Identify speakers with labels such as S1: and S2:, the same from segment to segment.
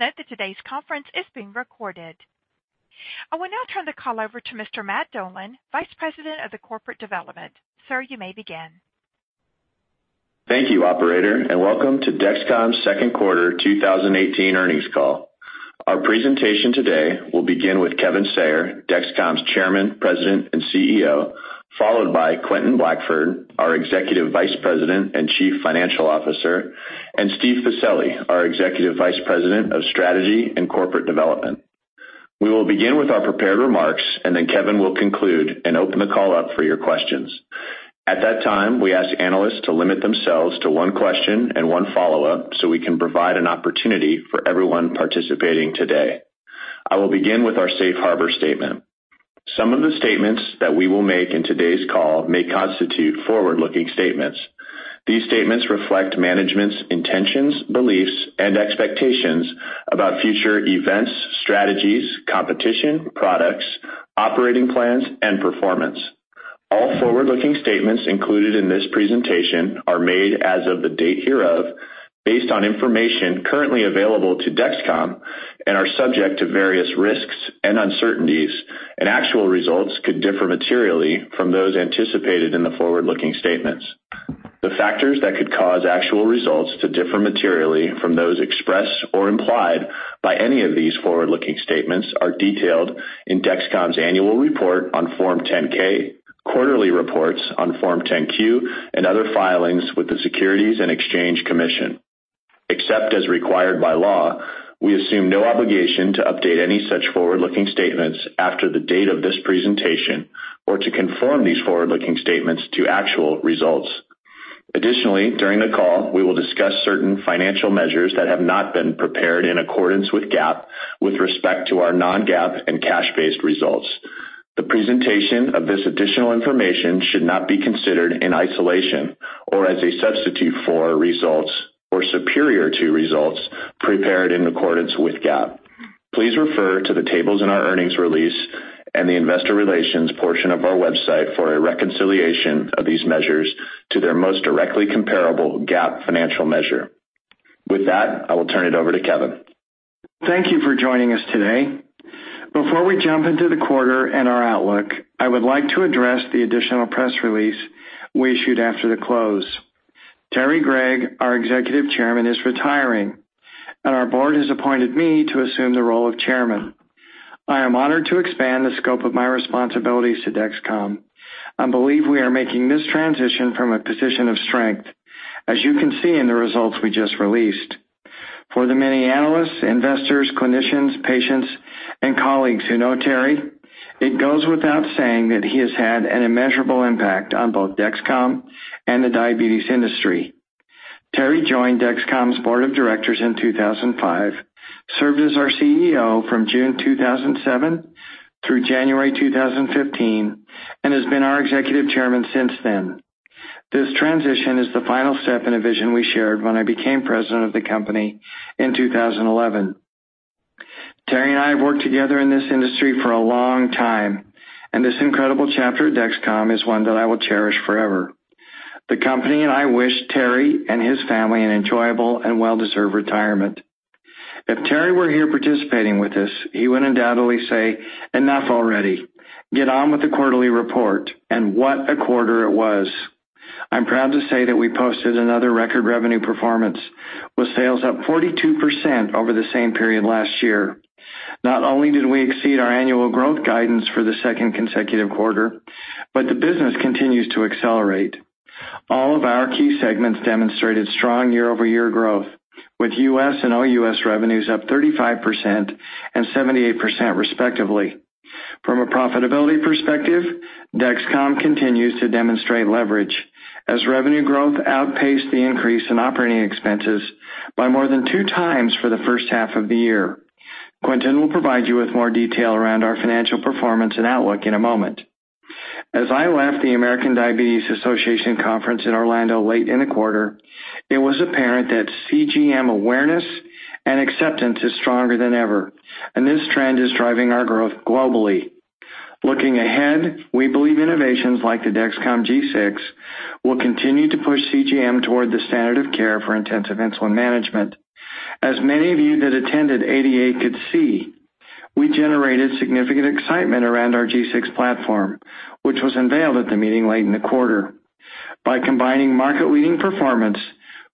S1: Note that today's conference is being recorded. I will now turn the call over to Mr. Matt Dolan, Vice President of Corporate Development. Sir, you may begin.
S2: Thank you, Operator, and welcome to Dexcom's Second Quarter 2018 Earnings Call. Our presentation today will begin with Kevin Sayer, Dexcom's Chairman, President, and CEO, followed by Quentin Blackford, our Executive Vice President and Chief Financial Officer, and Steve Pacelli, our Executive Vice President of Strategy and Corporate Development. We will begin with our prepared remarks, and then Kevin will conclude and open the call up for your questions. At that time, we ask analysts to limit themselves to one question and one follow-up so we can provide an opportunity for everyone participating today. I will begin with our Safe Harbor Statement. Some of the statements that we will make in today's call may constitute forward-looking statements. These statements reflect management's intentions, beliefs, and expectations about future events, strategies, competition, products, operating plans, and performance. All forward-looking statements included in this presentation are made as of the date hereof based on information currently available to Dexcom and are subject to various risks and uncertainties, and actual results could differ materially from those anticipated in the forward-looking statements. The factors that could cause actual results to differ materially from those expressed or implied by any of these forward-looking statements are detailed in Dexcom's annual report on Form 10-K, quarterly reports on Form 10-Q, and other filings with the Securities and Exchange Commission. Except as required by law, we assume no obligation to update any such forward-looking statements after the date of this presentation or to conform these forward-looking statements to actual results. Additionally, during the call, we will discuss certain financial measures that have not been prepared in accordance with GAAP with respect to our non-GAAP and cash-based results. The presentation of this additional information should not be considered in isolation or as a substitute for results or superior to results prepared in accordance with GAAP. Please refer to the tables in our earnings release and the investor relations portion of our website for a reconciliation of these measures to their most directly comparable GAAP financial measure. With that, I will turn it over to Kevin.
S3: Thank you for joining us today. Before we jump into the quarter and our outlook, I would like to address the additional press release we issued after the close. Terry Gregg, our Executive Chairman, is retiring, and our board has appointed me to assume the role of Chairman. I am honored to expand the scope of my responsibilities to Dexcom. I believe we are making this transition from a position of strength, as you can see in the results we just released. For the many analysts, investors, clinicians, patients, and colleagues who know Terry, it goes without saying that he has had an immeasurable impact on both Dexcom and the diabetes industry. Terry joined Dexcom's board of directors in 2005, served as our CEO from June 2007 through January 2015, and has been our Executive Chairman since then. This transition is the final step in a vision we shared when I became president of the company in 2011. Terry and I have worked together in this industry for a long time, and this incredible chapter at DexCom is one that I will cherish forever. The company and I wish Terry and his family an enjoyable and well-deserved retirement. If Terry were here participating with us, he would undoubtedly say, "Enough already. Get on with the quarterly report," and what a quarter it was. I'm proud to say that we posted another record revenue performance, with sales up 42% over the same period last year. Not only did we exceed our annual growth guidance for the second consecutive quarter, but the business continues to accelerate. All of our key segments demonstrated strong year-over-year growth, with U.S. and O.U.S. revenues up 35% and 78%, respectively. From a profitability perspective, Dexcom continues to demonstrate leverage, as revenue growth outpaced the increase in operating expenses by more than two times for the first half of the year. Quentin will provide you with more detail around our financial performance and outlook in a moment. As I left the American Diabetes Association conference in Orlando late in the quarter, it was apparent that CGM awareness and acceptance is stronger than ever, and this trend is driving our growth globally. Looking ahead, we believe innovations like the Dexcom G6 will continue to push CGM toward the standard of care for intensive insulin management. As many of you that attended ADA could see, we generated significant excitement around our G6 platform, which was unveiled at the meeting late in the quarter. By combining market-leading performance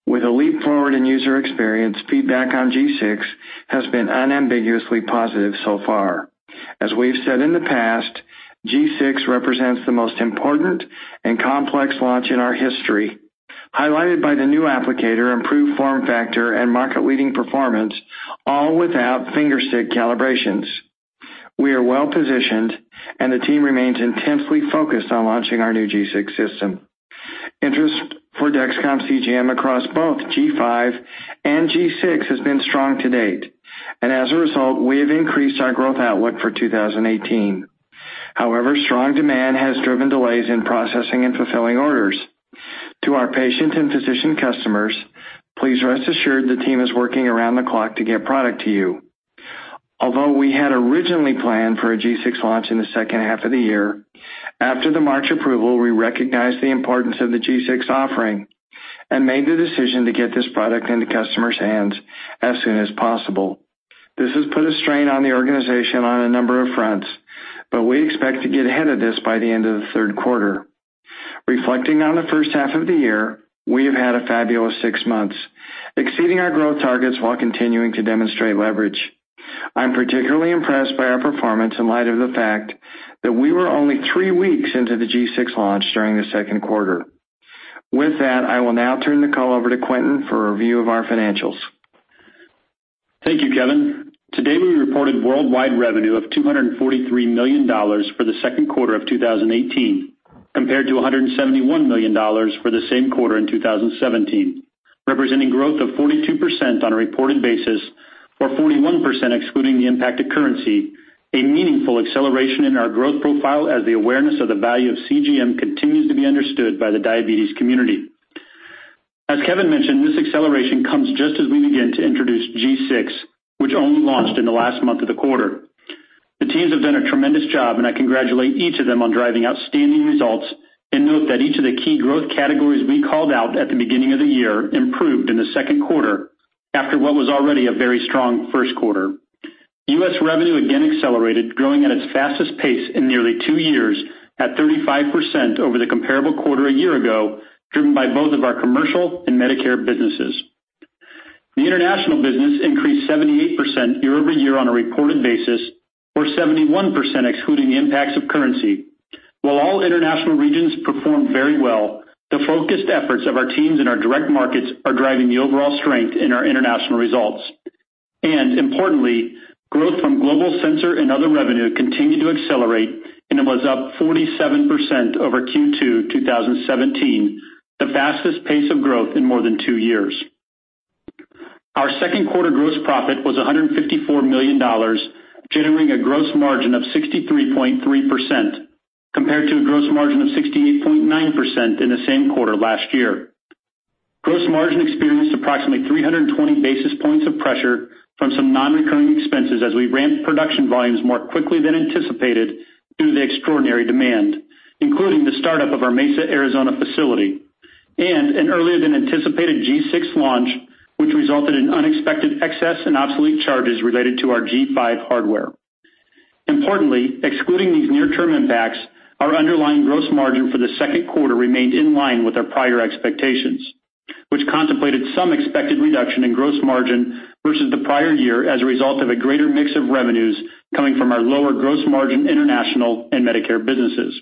S3: with a leap forward in user experience, feedback on G6 has been unambiguously positive so far. As we've said in the past, G6 represents the most important and complex launch in our history, highlighted by the new applicator, improved form factor, and market-leading performance, all without fingerstick calibrations. We are well-positioned, and the team remains intensely focused on launching our new G6 system. Interest for Dexcom CGM across both G5 and G6 has been strong to date, and as a result, we have increased our growth outlook for 2018. However, strong demand has driven delays in processing and fulfilling orders. To our patient and physician customers, please rest assured the team is working around the clock to get product to you. Although we had originally planned for a G6 launch in the second half of the year, after the March approval, we recognized the importance of the G6 offering and made the decision to get this product into customers' hands as soon as possible. This has put a strain on the organization on a number of fronts, but we expect to get ahead of this by the end of the third quarter. Reflecting on the first half of the year, we have had a fabulous six months, exceeding our growth targets while continuing to demonstrate leverage. I'm particularly impressed by our performance in light of the fact that we were only three weeks into the G6 launch during the second quarter. With that, I will now turn the call over to Quentin for a review of our financials.
S4: Thank you, Kevin. Today, we reported worldwide revenue of $243 million for the second quarter of 2018, compared to $171 million for the same quarter in 2017, representing growth of 42% on a reported basis or 41% excluding the impact of currency, a meaningful acceleration in our growth profile as the awareness of the value of CGM continues to be understood by the diabetes community. As Kevin mentioned, this acceleration comes just as we begin to introduce G6, which only launched in the last month of the quarter. The teams have done a tremendous job, and I congratulate each of them on driving outstanding results and note that each of the key growth categories we called out at the beginning of the year improved in the second quarter after what was already a very strong first quarter. U.S. Revenue again accelerated, growing at its fastest pace in nearly two years at 35% over the comparable quarter a year ago, driven by both of our commercial and Medicare businesses. The international business increased 78% year-over-year on a reported basis or 71% excluding the impacts of currency. While all international regions performed very well, the focused efforts of our teams and our direct markets are driving the overall strength in our international results. And importantly, growth from global sensor and other revenue continued to accelerate and was up 47% over Q2 2017, the fastest pace of growth in more than two years. Our second quarter gross profit was $154 million, generating a gross margin of 63.3% compared to a gross margin of 68.9% in the same quarter last year. Gross margin experienced approximately 320 basis points of pressure from some non-recurring expenses as we ramped production volumes more quickly than anticipated due to the extraordinary demand, including the startup of our Mesa, Arizona facility, and an earlier-than-anticipated G6 launch, which resulted in unexpected excess and obsolete charges related to our G5 hardware. Importantly, excluding these near-term impacts, our underlying gross margin for the second quarter remained in line with our prior expectations, which contemplated some expected reduction in gross margin versus the prior year as a result of a greater mix of revenues coming from our lower gross margin international and Medicare businesses.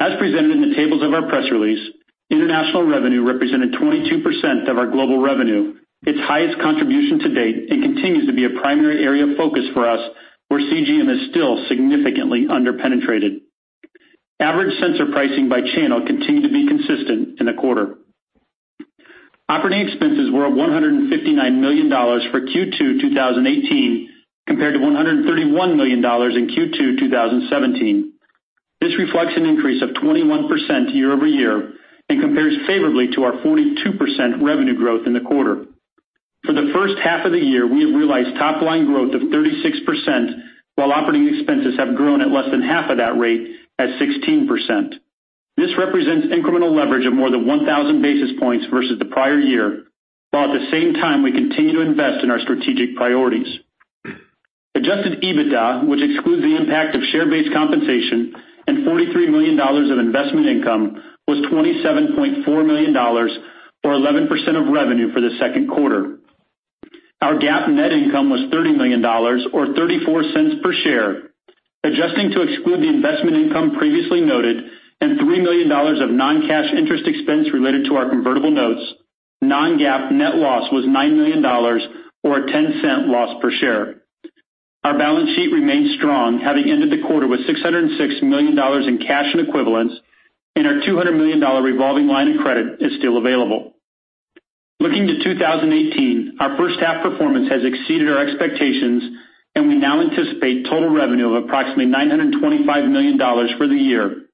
S4: As presented in the tables of our press release, international revenue represented 22% of our global revenue, its highest contribution to date, and continues to be a primary area of focus for us, where CGM is still significantly underpenetrated. Average sensor pricing by channel continued to be consistent in the quarter. Operating expenses were $159 million for Q2 2018 compared to $131 million in Q2 2017. This reflects an increase of 21% year-over-year and compares favorably to our 42% revenue growth in the quarter. For the first half of the year, we have realized top-line growth of 36%, while operating expenses have grown at less than half of that rate at 16%. This represents incremental leverage of more than 1,000 basis points versus the prior year, while at the same time we continue to invest in our strategic priorities. Adjusted EBITDA, which excludes the impact of share-based compensation and $43 million of investment income, was $27.4 million or 11% of revenue for the second quarter. Our GAAP net income was $30 million or $0.34 per Share. Adjusting to exclude the investment income previously noted and $3 million of non-cash interest expense related to our convertible notes, non-GAAP net loss was $9 million or a $0.10 loss per share. Our balance sheet remains strong, having ended the quarter with $606 million in cash and equivalents, and our $200 million revolving line of credit is still available. Looking to 2018, our first-half performance has exceeded our expectations, and we now anticipate total revenue of approximately $925 million for the year,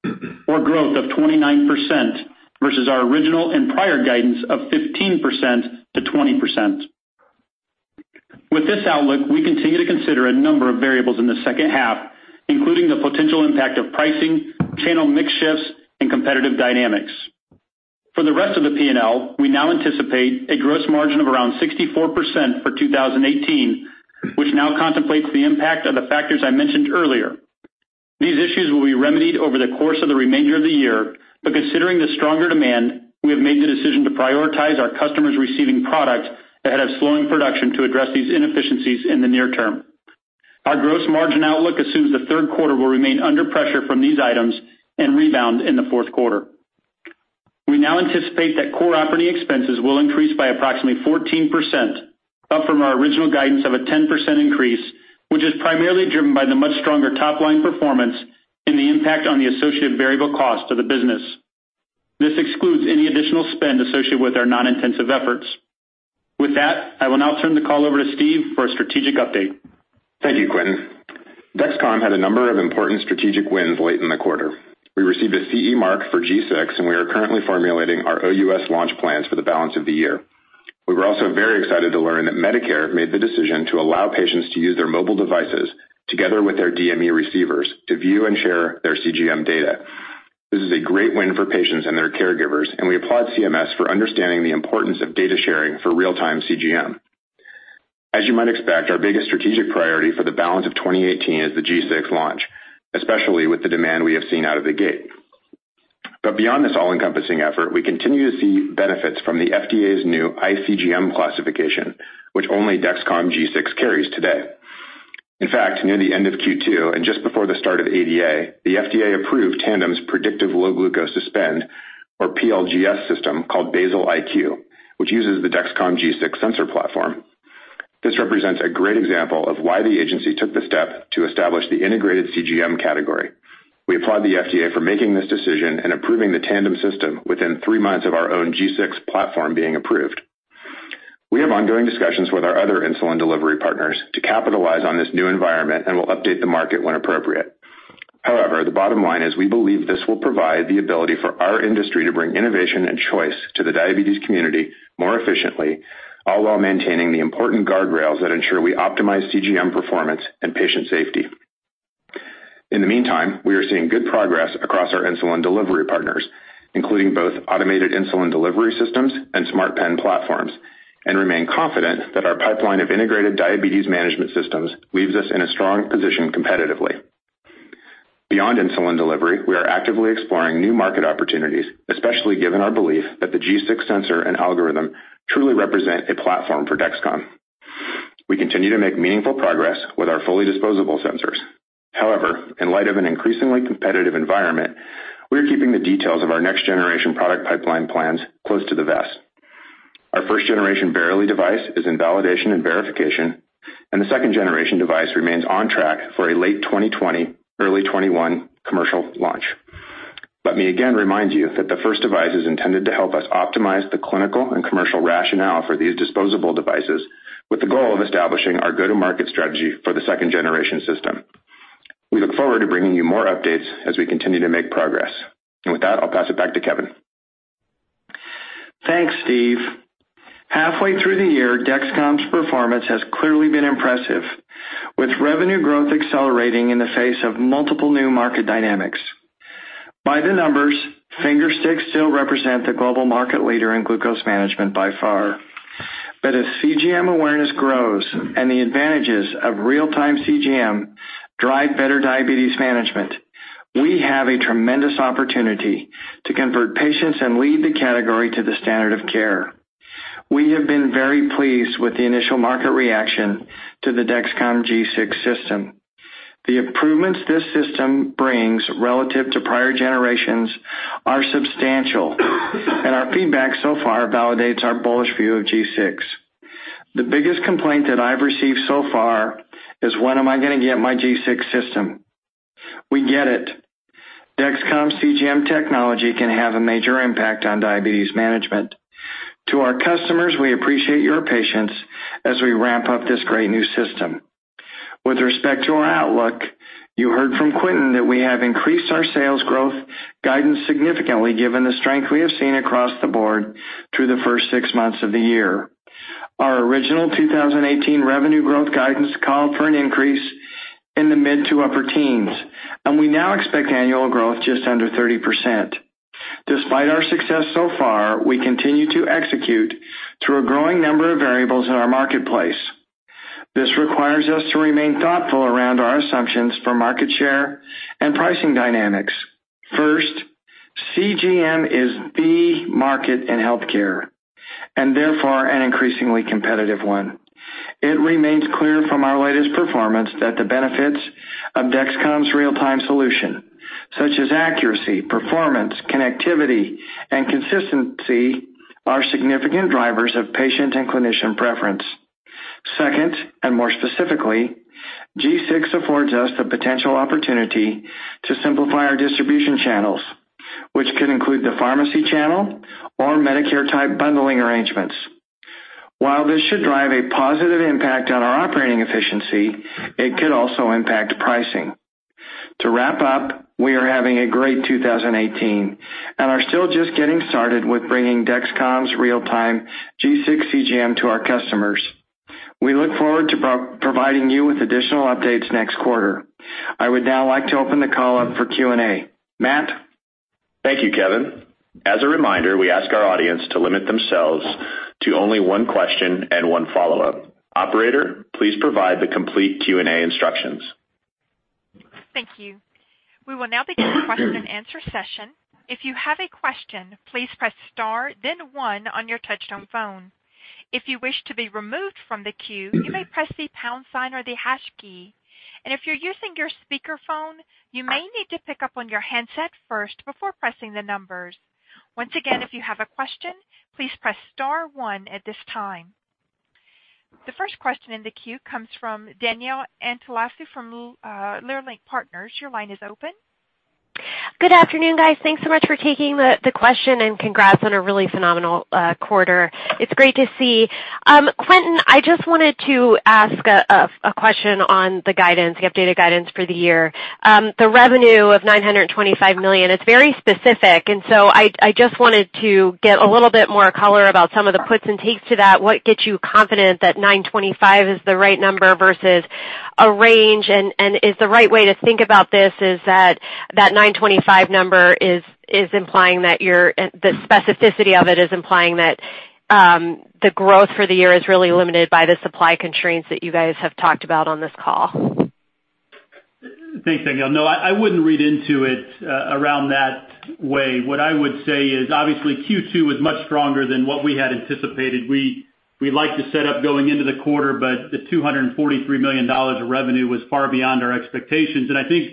S4: or growth of 29% versus our original and prior guidance of 15%-20%. With this outlook, we continue to consider a number of variables in the second half, including the potential impact of pricing, channel mix shifts, and competitive dynamics. For the rest of the P&L, we now anticipate a gross margin of around 64% for 2018, which now contemplates the impact of the factors I mentioned earlier. These issues will be remedied over the course of the remainder of the year, but considering the stronger demand, we have made the decision to prioritize our customers receiving product ahead of slowing production to address these inefficiencies in the near term. Our gross margin outlook assumes the third quarter will remain under pressure from these items and rebound in the fourth quarter. We now anticipate that core operating expenses will increase by approximately 14%, up from our original guidance of a 10% increase, which is primarily driven by the much stronger top-line performance and the impact on the associated variable cost of the business. This excludes any additional spend associated with our non-intensive efforts. With that, I will now turn the call over to Steve for a strategic update.
S5: Thank you, Quentin. Dexcom had a number of important strategic wins late in the quarter. We received a CE mark for G6, and we are currently formulating our U.S. launch plans for the balance of the year. We were also very excited to learn that Medicare made the decision to allow patients to use their mobile devices together with their DME receivers to view and share their CGM data. This is a great win for patients and their caregivers, and we applaud CMS for understanding the importance of data sharing for real-time CGM. As you might expect, our biggest strategic priority for the balance of 2018 is the G6 launch, especially with the demand we have seen out of the gate. But beyond this all-encompassing effort, we continue to see benefits from the FDA's new iCGM classification, which only Dexcom G6 carries today. In fact, near the end of Q2 and just before the start of ADA, the FDA approved Tandem's predictive low-glucose suspend, or PLGS, system called Basal-IQ, which uses the Dexcom G6 sensor platform. This represents a great example of why the agency took the step to establish the integrated CGM category. We applaud the FDA for making this decision and approving the Tandem system within three months of our own G6 platform being approved. We have ongoing discussions with our other insulin delivery partners to capitalize on this new environment and will update the market when appropriate. However, the bottom line is we believe this will provide the ability for our industry to bring innovation and choice to the diabetes community more efficiently, all while maintaining the important guardrails that ensure we optimize CGM performance and patient safety. In the meantime, we are seeing good progress across our insulin delivery partners, including both automated insulin delivery systems and smart pen platforms, and remain confident that our pipeline of integrated diabetes management systems leaves us in a strong position competitively. Beyond insulin delivery, we are actively exploring new market opportunities, especially given our belief that the G6 sensor and algorithm truly represent a platform for Dexcom. We continue to make meaningful progress with our fully disposable sensors. However, in light of an increasingly competitive environment, we are keeping the details of our next-generation product pipeline plans close to the vest. Our first-generation Verily device is in validation and verification, and the second-generation device remains on track for a late 2020, early 2021 commercial launch. Let me again remind you that the first device is intended to help us optimize the clinical and commercial rationale for these disposable devices with the goal of establishing our go-to-market strategy for the second-generation system. We look forward to bringing you more updates as we continue to make progress, and with that, I'll pass it back to Kevin.
S3: Thanks, Steve. Halfway through the year, Dexcom's performance has clearly been impressive, with revenue growth accelerating in the face of multiple new market dynamics. By the numbers, fingersticks still represent the global market leader in glucose management by far. But as CGM awareness grows and the advantages of real-time CGM drive better diabetes management, we have a tremendous opportunity to convert patients and lead the category to the standard of care. We have been very pleased with the initial market reaction to the Dexcom G6 system. The improvements this system brings relative to prior generations are substantial, and our feedback so far validates our bullish view of G6. The biggest complaint that I've received so far is, "When am I going to get my G6 system?" We get it. Dexcom CGM technology can have a major impact on diabetes management. To our customers, we appreciate your patience as we ramp up this great new system. With respect to our outlook, you heard from Quentin that we have increased our sales growth guidance significantly given the strength we have seen across the board through the first six months of the year. Our original 2018 revenue growth guidance called for an increase in the mid to upper teens, and we now expect annual growth just under 30%. Despite our success so far, we continue to execute through a growing number of variables in our marketplace. This requires us to remain thoughtful around our assumptions for market share and pricing dynamics. First, CGM is the market in healthcare and therefore an increasingly competitive one. It remains clear from our latest performance that the benefits of Dexcom's real-time solution, such as accuracy, performance, connectivity, and consistency, are significant drivers of patient and clinician preference. Second, and more specifically, G6 affords us the potential opportunity to simplify our distribution channels, which could include the pharmacy channel or Medicare-type bundling arrangements. While this should drive a positive impact on our operating efficiency, it could also impact pricing. To wrap up, we are having a great 2018 and are still just getting started with bringing Dexcom's real-time G6 CGM to our customers. We look forward to providing you with additional updates next quarter. I would now like to open the call up for Q&A. Matt?
S2: Thank you, Kevin. As a reminder, we ask our audience to limit themselves to only one question and one follow-up. Operator, please provide the complete Q&A instructions.
S1: Thank you. We will now begin the question-and-answer session. If you have a question, please press Star, then One on your touch-tone phone. If you wish to be removed from the queue, you may press the pound sign or the hash key, and if you're using your speakerphone, you may need to pick up on your handset first before pressing the numbers. Once again, if you have a question, please press Star, One at this time. The first question in the queue comes from Danielle Antalffy from Leerink Partners. Your line is open.
S6: Good afternoon, guys. Thanks so much for taking the question and congrats on a really phenomenal quarter. It's great to see. Quentin, I just wanted to ask a question on the guidance, the updated guidance for the year. The revenue of $925 million, it's very specific, and so I just wanted to get a little bit more color about some of the puts and takes to that. What gets you confident that $925 million is the right number versus a range? And is the right way to think about this that that $925 million number is implying that the specificity of it is implying that the growth for the year is really limited by the supply constraints that you guys have talked about on this call?
S4: Thanks, Danielle. No, I wouldn't read into it around that way. What I would say is, obviously, Q2 was much stronger than what we had anticipated. We liked the setup going into the quarter, but the $243 million of revenue was far beyond our expectations. And I think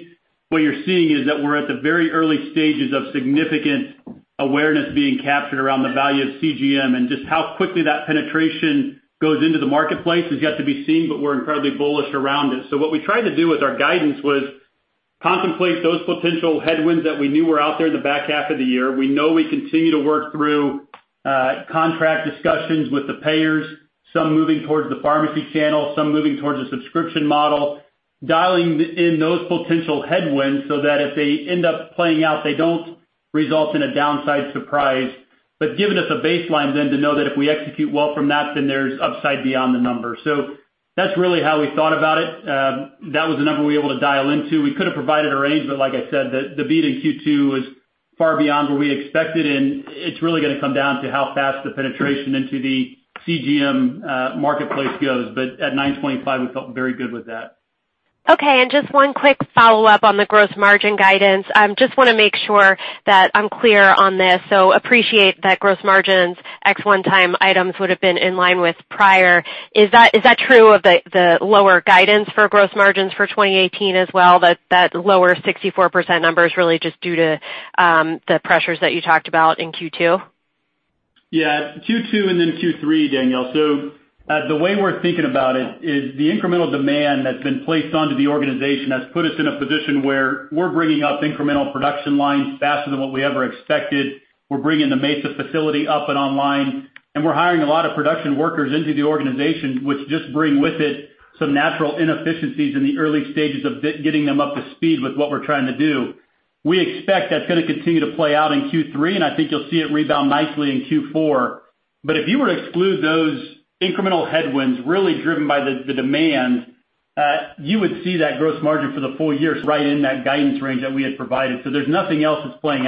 S4: what you're seeing is that we're at the very early stages of significant awareness being captured around the value of CGM, and just how quickly that penetration goes into the marketplace has yet to be seen, but we're incredibly bullish around it. So what we tried to do with our guidance was contemplate those potential headwinds that we knew were out there in the back half of the year. We know we continue to work through contract discussions with the payers, some moving towards the pharmacy channel, some moving towards a subscription model, dialing in those potential headwinds so that if they end up playing out, they don't result in a downside surprise. But given us a baseline then to know that if we execute well from that, then there's upside beyond the numbers. So that's really how we thought about it. That was the number we were able to dial into. We could have provided a range, but like I said, the beat in Q2 was far beyond what we expected, and it's really going to come down to how fast the penetration into the CGM marketplace goes. But at $925 million, we felt very good with that.
S6: Okay. And just one quick follow-up on the gross margin guidance. I just want to make sure that I'm clear on this. So appreciate that gross margins ex one-time items would have been in line with prior. Is that true of the lower guidance for gross margins for 2018 as well, that lower 64% number is really just due to the pressures that you talked about in Q2?
S3: Yeah. Q2 and then Q3, Danielle. So the way we're thinking about it is the incremental demand that's been placed onto the organization has put us in a position where we're bringing up incremental production lines faster than what we ever expected. We're bringing the Mesa facility up and online, and we're hiring a lot of production workers into the organization, which just brings with it some natural inefficiencies in the early stages of getting them up to speed with what we're trying to do. We expect that's going to continue to play out in Q3, and I think you'll see it rebound nicely in Q4. But if you were to exclude those incremental headwinds really driven by the demand, you would see that gross margin for the full year right in that guidance range that we had provided. So there's nothing else that's playing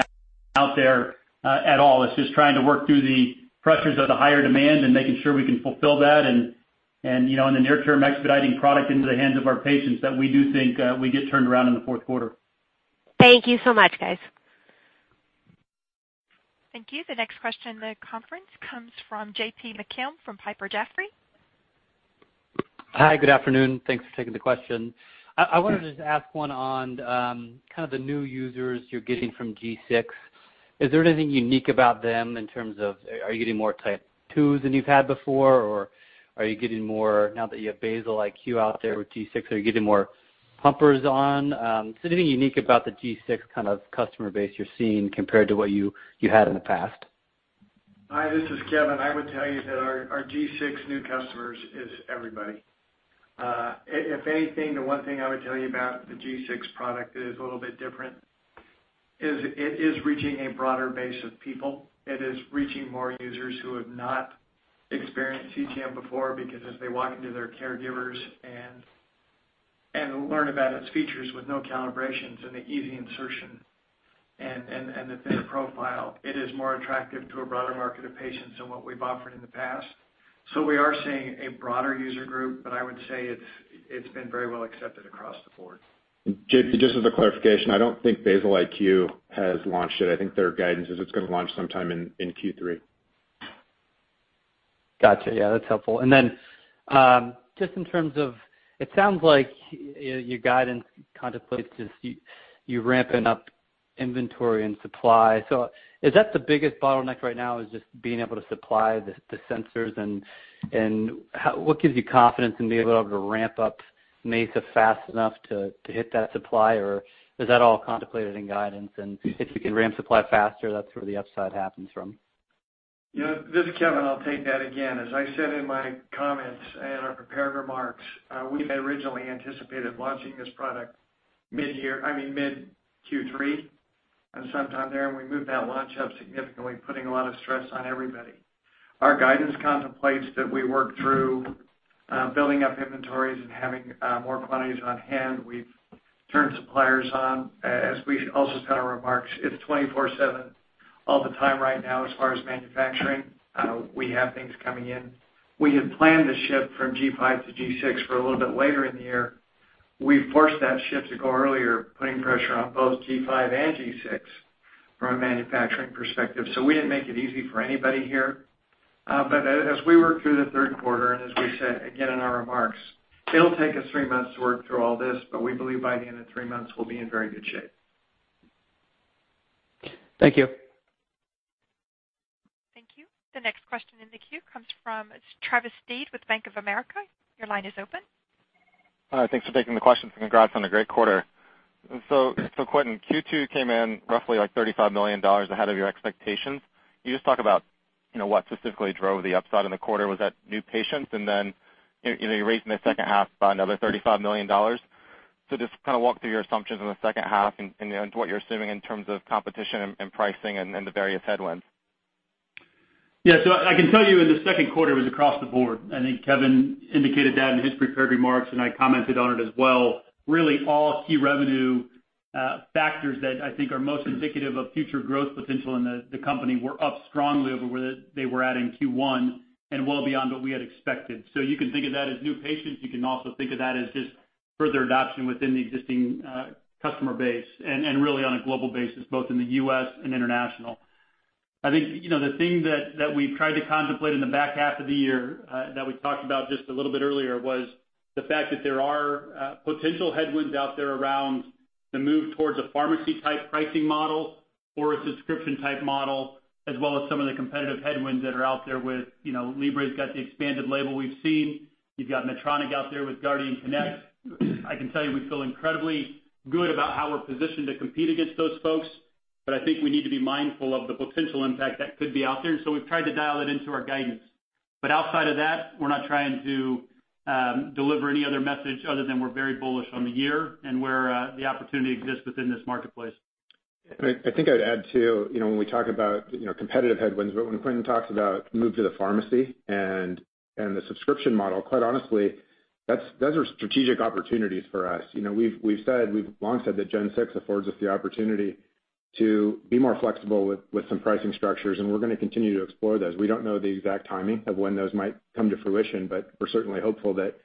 S3: out there at all. It's just trying to work through the pressures of the higher demand and making sure we can fulfill that and in the near term expediting product into the hands of our patients that we do think we get turned around in the fourth quarter.
S6: Thank you so much, guys.
S1: Thank you. The next question in the conference comes from J.P. McKim from Piper Jaffray.
S7: Hi, good afternoon. Thanks for taking the question. I wanted to just ask one on kind of the new users you're getting from G6. Is there anything unique about them in terms of, are you getting more Type 2s than you've had before, or are you getting more now that you have Basal-IQ out there with G6, are you getting more pumpers on? Is there anything unique about the G6 kind of customer base you're seeing compared to what you had in the past?
S3: Hi, this is Kevin. I would tell you that our G6 new customers is everybody. If anything, the one thing I would tell you about the G6 product that is a little bit different is it is reaching a broader base of people. It is reaching more users who have not experienced CGM before because as they walk into their caregivers and learn about its features with no calibrations and the easy insertion and the thinner profile, it is more attractive to a broader market of patients than what we've offered in the past. So we are seeing a broader user group, but I would say it's been very well accepted across the board.
S5: JP, just as a clarification, I don't think Basal-IQ has launched it. I think their guidance is it's going to launch sometime in Q3.
S7: Gotcha. Yeah, that's helpful. And then just in terms of it sounds like your guidance contemplates just you ramping up inventory and supply. So is that the biggest bottleneck right now is just being able to supply the sensors? And what gives you confidence in being able to ramp up Mesa fast enough to hit that supply, or is that all contemplated in guidance? And if you can ramp supply faster, that's where the upside happens from.
S3: Yeah. This is Kevin. I'll take that again. As I said in my comments and our prepared remarks, we had originally anticipated launching this product mid-year, I mean, mid-Q3, and sometime there, and we moved that launch up significantly, putting a lot of stress on everybody. Our guidance contemplates that we work through building up inventories and having more quantities on hand. We've turned suppliers on. As we also said in our remarks, it's 24/7 all the time right now as far as manufacturing. We have things coming in. We had planned to shift from G5 to G6 for a little bit later in the year. We forced that shift to go earlier, putting pressure on both G5 and G6 from a manufacturing perspective. So we didn't make it easy for anybody here. But as we work through the third quarter, and as we said again in our remarks, it'll take us three months to work through all this, but we believe by the end of three months, we'll be in very good shape.
S7: Thank you.
S1: Thank you. The next question in the queue comes from Travis Steed with Bank of America Merrill Lynch. Your line is open.
S8: Thanks for taking the question. Congrats on a great quarter. So Quentin, Q2 came in roughly like $35 million ahead of your expectations. You just talked about what specifically drove the upside in the quarter. Was that new patients? And then you're raising the second half by another $35 million. So just kind of walk through your assumptions in the second half and what you're assuming in terms of competition and pricing and the various headwinds.
S4: Yeah. So I can tell you, in the second quarter, was across the board. I think Kevin indicated that in his prepared remarks, and I commented on it as well. Really, all key revenue factors that I think are most indicative of future growth potential in the company were up strongly over where they were at in Q1 and well beyond what we had expected. So you can think of that as new patients. You can also think of that as just further adoption within the existing customer base and really on a global basis, both in the US and international. I think the thing that we've tried to contemplate in the back half of the year that we talked about just a little bit earlier was the fact that there are potential headwinds out there around the move towards a pharmacy-type pricing model or a subscription-type model, as well as some of the competitive headwinds that are out there with Libre's got the expanded label we've seen. You've got Medtronic out there with Guardian Connect. I can tell you we feel incredibly good about how we're positioned to compete against those folks, but I think we need to be mindful of the potential impact that could be out there. And so we've tried to dial it into our guidance. But outside of that, we're not trying to deliver any other message other than we're very bullish on the year and where the opportunity exists within this marketplace.
S3: I think I'd add too when we talk about competitive headwinds, but when Quentin talks about the move to the pharmacy and the subscription model, quite honestly, those are strategic opportunities for us. We've said, we've long said that G6 affords us the opportunity to be more flexible with some pricing structures, and we're going to continue to explore those. We don't know the exact timing of when those might come to fruition, but we're certainly hopeful that.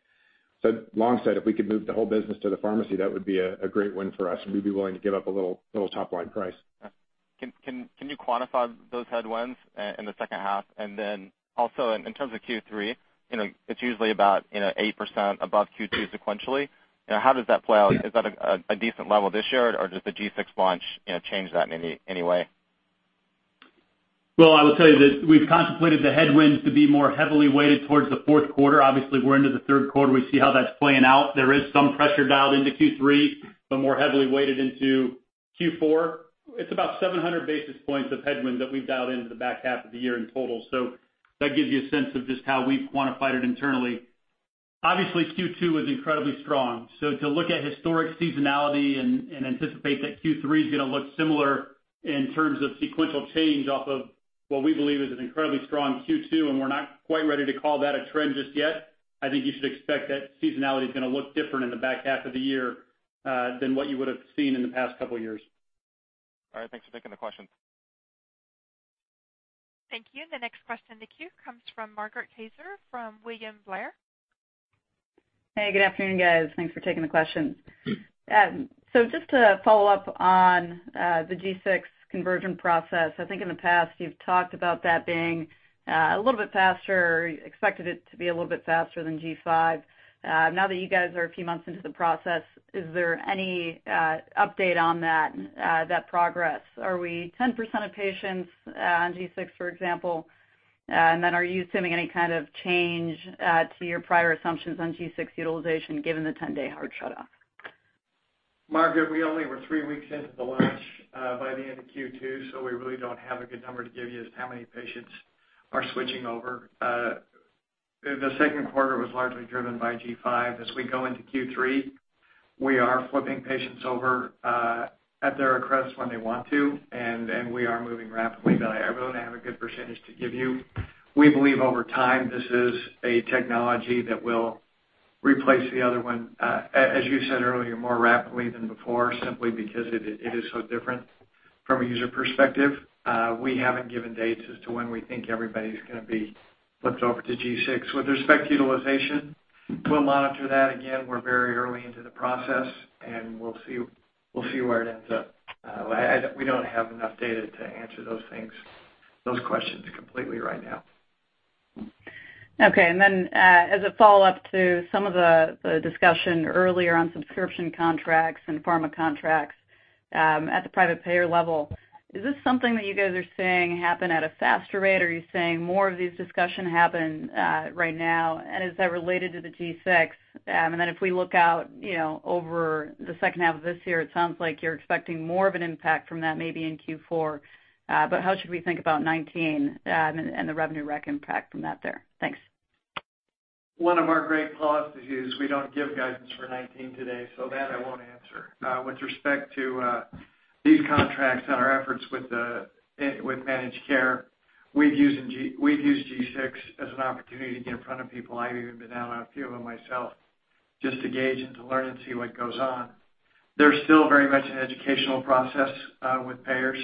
S3: So long said, if we could move the whole business to the pharmacy, that would be a great win for us, and we'd be willing to give up a little top-line price.
S8: Can you quantify those headwinds in the second half? And then also in terms of Q3, it's usually about 8% above Q2 sequentially. How does that play out? Is that a decent level this year, or does the G6 launch change that in any way?
S4: I will tell you that we've contemplated the headwinds to be more heavily weighted towards the fourth quarter. Obviously, we're into the third quarter. We see how that's playing out. There is some pressure dialed into Q3, but more heavily weighted into Q4. It's about 700 basis points of headwinds that we've dialed into the back half of the year in total. So that gives you a sense of just how we've quantified it internally. Obviously, Q2 was incredibly strong. So to look at historic seasonality and anticipate that Q3 is going to look similar in terms of sequential change off of what we believe is an incredibly strong Q2, and we're not quite ready to call that a trend just yet, I think you should expect that seasonality is going to look different in the back half of the year than what you would have seen in the past couple of years.
S8: All right. Thanks for taking the question.
S1: Thank you. And the next question in the queue comes from Margaret Kaczor from William Blair.
S9: Hey, good afternoon, guys. Thanks for taking the questions. So just to follow up on the G6 conversion process, I think in the past you've talked about that being a little bit faster, expected it to be a little bit faster than G5. Now that you guys are a few months into the process, is there any update on that progress? Are we 10% of patients on G6, for example? And then are you assuming any kind of change to your prior assumptions on G6 utilization given the 10-day hard shutoff?
S3: Margaret, we only were three weeks into the launch by the end of Q2, so we really don't have a good number to give you as to how many patients are switching over. The second quarter was largely driven by G5. As we go into Q3, we are flipping patients over at their request when they want to, and we are moving rapidly. But I really don't have a good percentage to give you. We believe over time this is a technology that will replace the other one, as you said earlier, more rapidly than before, simply because it is so different from a user perspective. We haven't given dates as to when we think everybody's going to be flipped over to G6. With respect to utilization, we'll monitor that. Again, we're very early into the process, and we'll see where it ends up. We don't have enough data to answer those questions completely right now.
S9: Okay. And then as a follow-up to some of the discussion earlier on subscription contracts and pharma contracts at the private payer level, is this something that you guys are seeing happen at a faster rate, or are you seeing more of these discussions happen right now? And is that related to the G6? And then if we look out over the second half of this year, it sounds like you're expecting more of an impact from that maybe in Q4. But how should we think about 2019 and the revenue rec impact from that there? Thanks.
S3: One of our great policies is we don't give guidance for 2019 today, so that I won't answer. With respect to these contracts and our efforts with managed care, we've used G6 as an opportunity to get in front of people. I've even been out on a few of them myself just to gauge and to learn and see what goes on. They're still very much an educational process with payers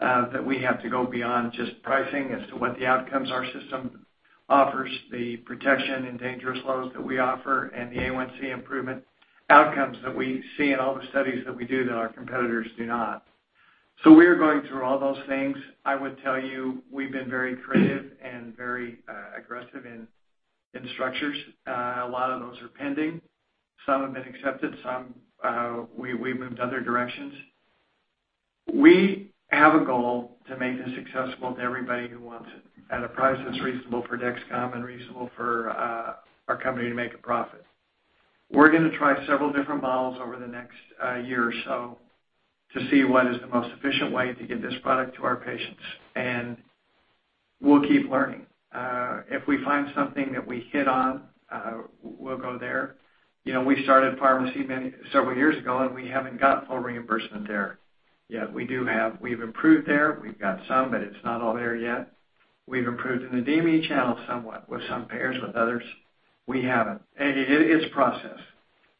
S3: that we have to go beyond just pricing as to what the outcomes our system offers, the protection and dangerous lows that we offer, and the A1C improvement outcomes that we see in all the studies that we do that our competitors do not. So we are going through all those things. I would tell you we've been very creative and very aggressive in structures. A lot of those are pending. Some have been accepted. We've moved other directions. We have a goal to make this accessible to everybody who wants it at a price that's reasonable for Dexcom and reasonable for our company to make a profit. We're going to try several different models over the next year or so to see what is the most efficient way to get this product to our patients. And we'll keep learning. If we find something that we hit on, we'll go there. We started pharmacy several years ago, and we haven't got full reimbursement there yet. We have improved there. We've got some, but it's not all there yet. We've improved in the DME channel somewhat with some payers, with others. We haven't. It's a process.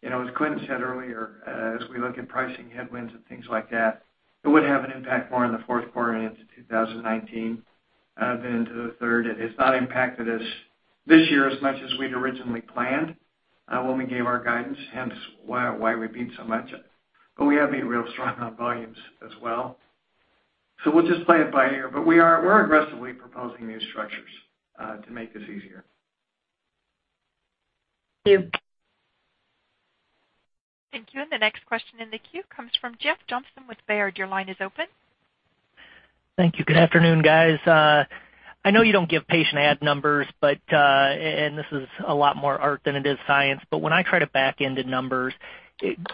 S3: As Quentin said earlier, as we look at pricing headwinds and things like that, it would have an impact more in the fourth quarter into 2019 than into the third. It has not impacted us this year as much as we'd originally planned when we gave our guidance, hence why we beat so much. But we have been real strong on volumes as well. So we'll just play it by ear. But we're aggressively proposing new structures to make this easier.
S9: Thank you.
S1: Thank you. And the next question in the queue comes from Jeff Johnson with Baird. Your line is open.
S10: Thank you. Good afternoon, guys. I know you don't give patient add numbers, and this is a lot more art than it is science, but when I try to back into numbers,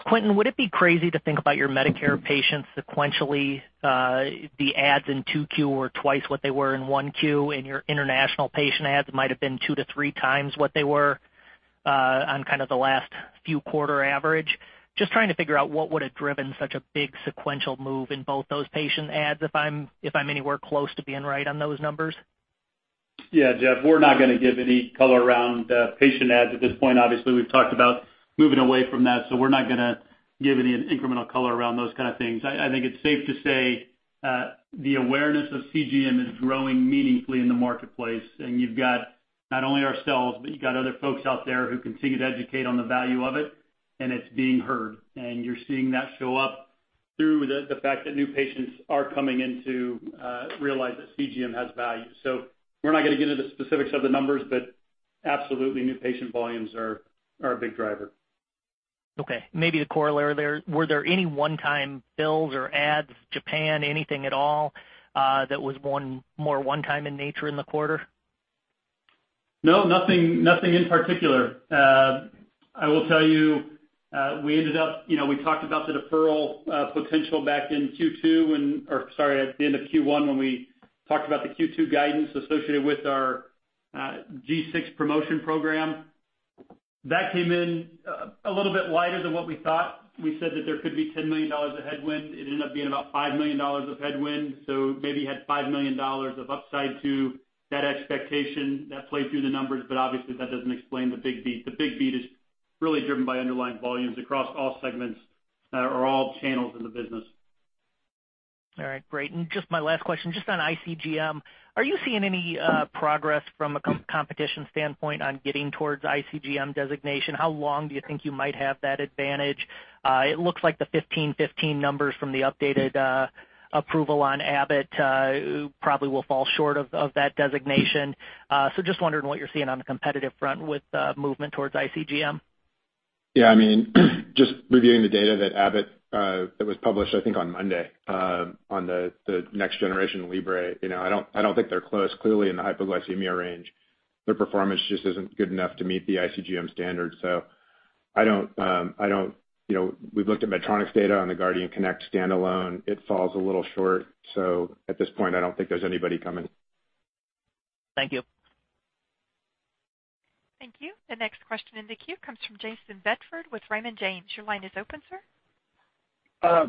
S10: Quentin, would it be crazy to think about your Medicare patients sequentially, the adds in 2Q were twice what they were in 1Q, and your international patient adds might have been two to three times what they were on kind of the last few quarters' average? Just trying to figure out what would have driven such a big sequential move in both those patient adds if I'm anywhere close to being right on those numbers.
S4: Yeah, Jeff, we're not going to give any color around patient ads at this point. Obviously, we've talked about moving away from that, so we're not going to give any incremental color around those kind of things. I think it's safe to say the awareness of CGM is growing meaningfully in the marketplace, and you've got not only ourselves, but you've got other folks out there who continue to educate on the value of it, and it's being heard, and you're seeing that show up through the fact that new patients are coming in to realize that CGM has value, so we're not going to get into the specifics of the numbers, but absolutely, new patient volumes are a big driver.
S10: Okay. Maybe to correlate there, were there any one-time fills or ads, Japan, anything at all that was more one-time in nature in the quarter?
S4: No, nothing in particular. I will tell you we ended up, we talked about the deferral potential back in Q2 or sorry, at the end of Q1 when we talked about the Q2 guidance associated with our G6 promotion program. That came in a little bit lighter than what we thought. We said that there could be $10 million of headwind. It ended up being about $5 million of headwind. So maybe had $5 million of upside to that expectation that played through the numbers, but obviously, that doesn't explain the big beat. The big beat is really driven by underlying volumes across all segments or all channels in the business.
S10: All right. Great. And just my last question, just on ICGM, are you seeing any progress from a competitive standpoint on getting towards ICGM designation? How long do you think you might have that advantage? It looks like the 15/15 numbers from the updated approval on Abbott probably will fall short of that designation. So just wondering what you're seeing on the competitive front with movement towards ICGM.
S5: Yeah. I mean, just reviewing the data that Abbott published, I think, on Monday on the next generation Libre, I don't think they're close. Clearly, in the hypoglycemia range, their performance just isn't good enough to meet the iCGM standard. So, I don't. We've looked at Medtronic's data on the Guardian Connect standalone. It falls a little short. So at this point, I don't think there's anybody coming.
S10: Thank you.
S1: Thank you. The next question in the queue comes from Jayson Bedford with Raymond James. Your line is open, sir.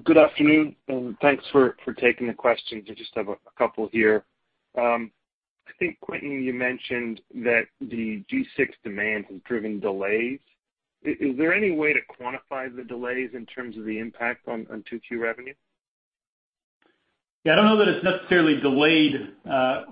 S11: Good afternoon, and thanks for taking the questions. I just have a couple here. I think, Quentin, you mentioned that the G6 demand has driven delays. Is there any way to quantify the delays in terms of the impact on Q2 revenue?
S4: Yeah. I don't know that it's necessarily delayed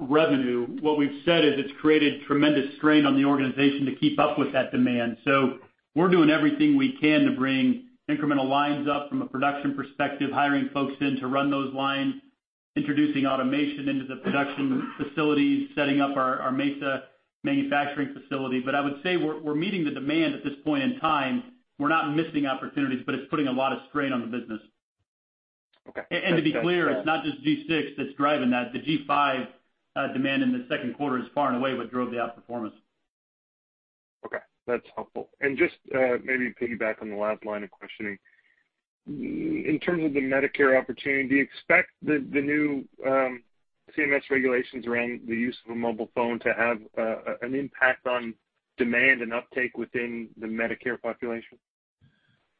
S4: revenue. What we've said is it's created tremendous strain on the organization to keep up with that demand, so we're doing everything we can to bring incremental lines up from a production perspective, hiring folks in to run those lines, introducing automation into the production facilities, setting up our Mesa manufacturing facility, but I would say we're meeting the demand at this point in time. We're not missing opportunities, but it's putting a lot of strain on the business, and to be clear, it's not just G6 that's driving that. The G5 demand in the second quarter is far and away what drove the outperformance.
S6: Okay. That's helpful. And just maybe piggyback on the last line of questioning, in terms of the Medicare opportunity, do you expect the new CMS regulations around the use of a mobile phone to have an impact on demand and uptake within the Medicare population?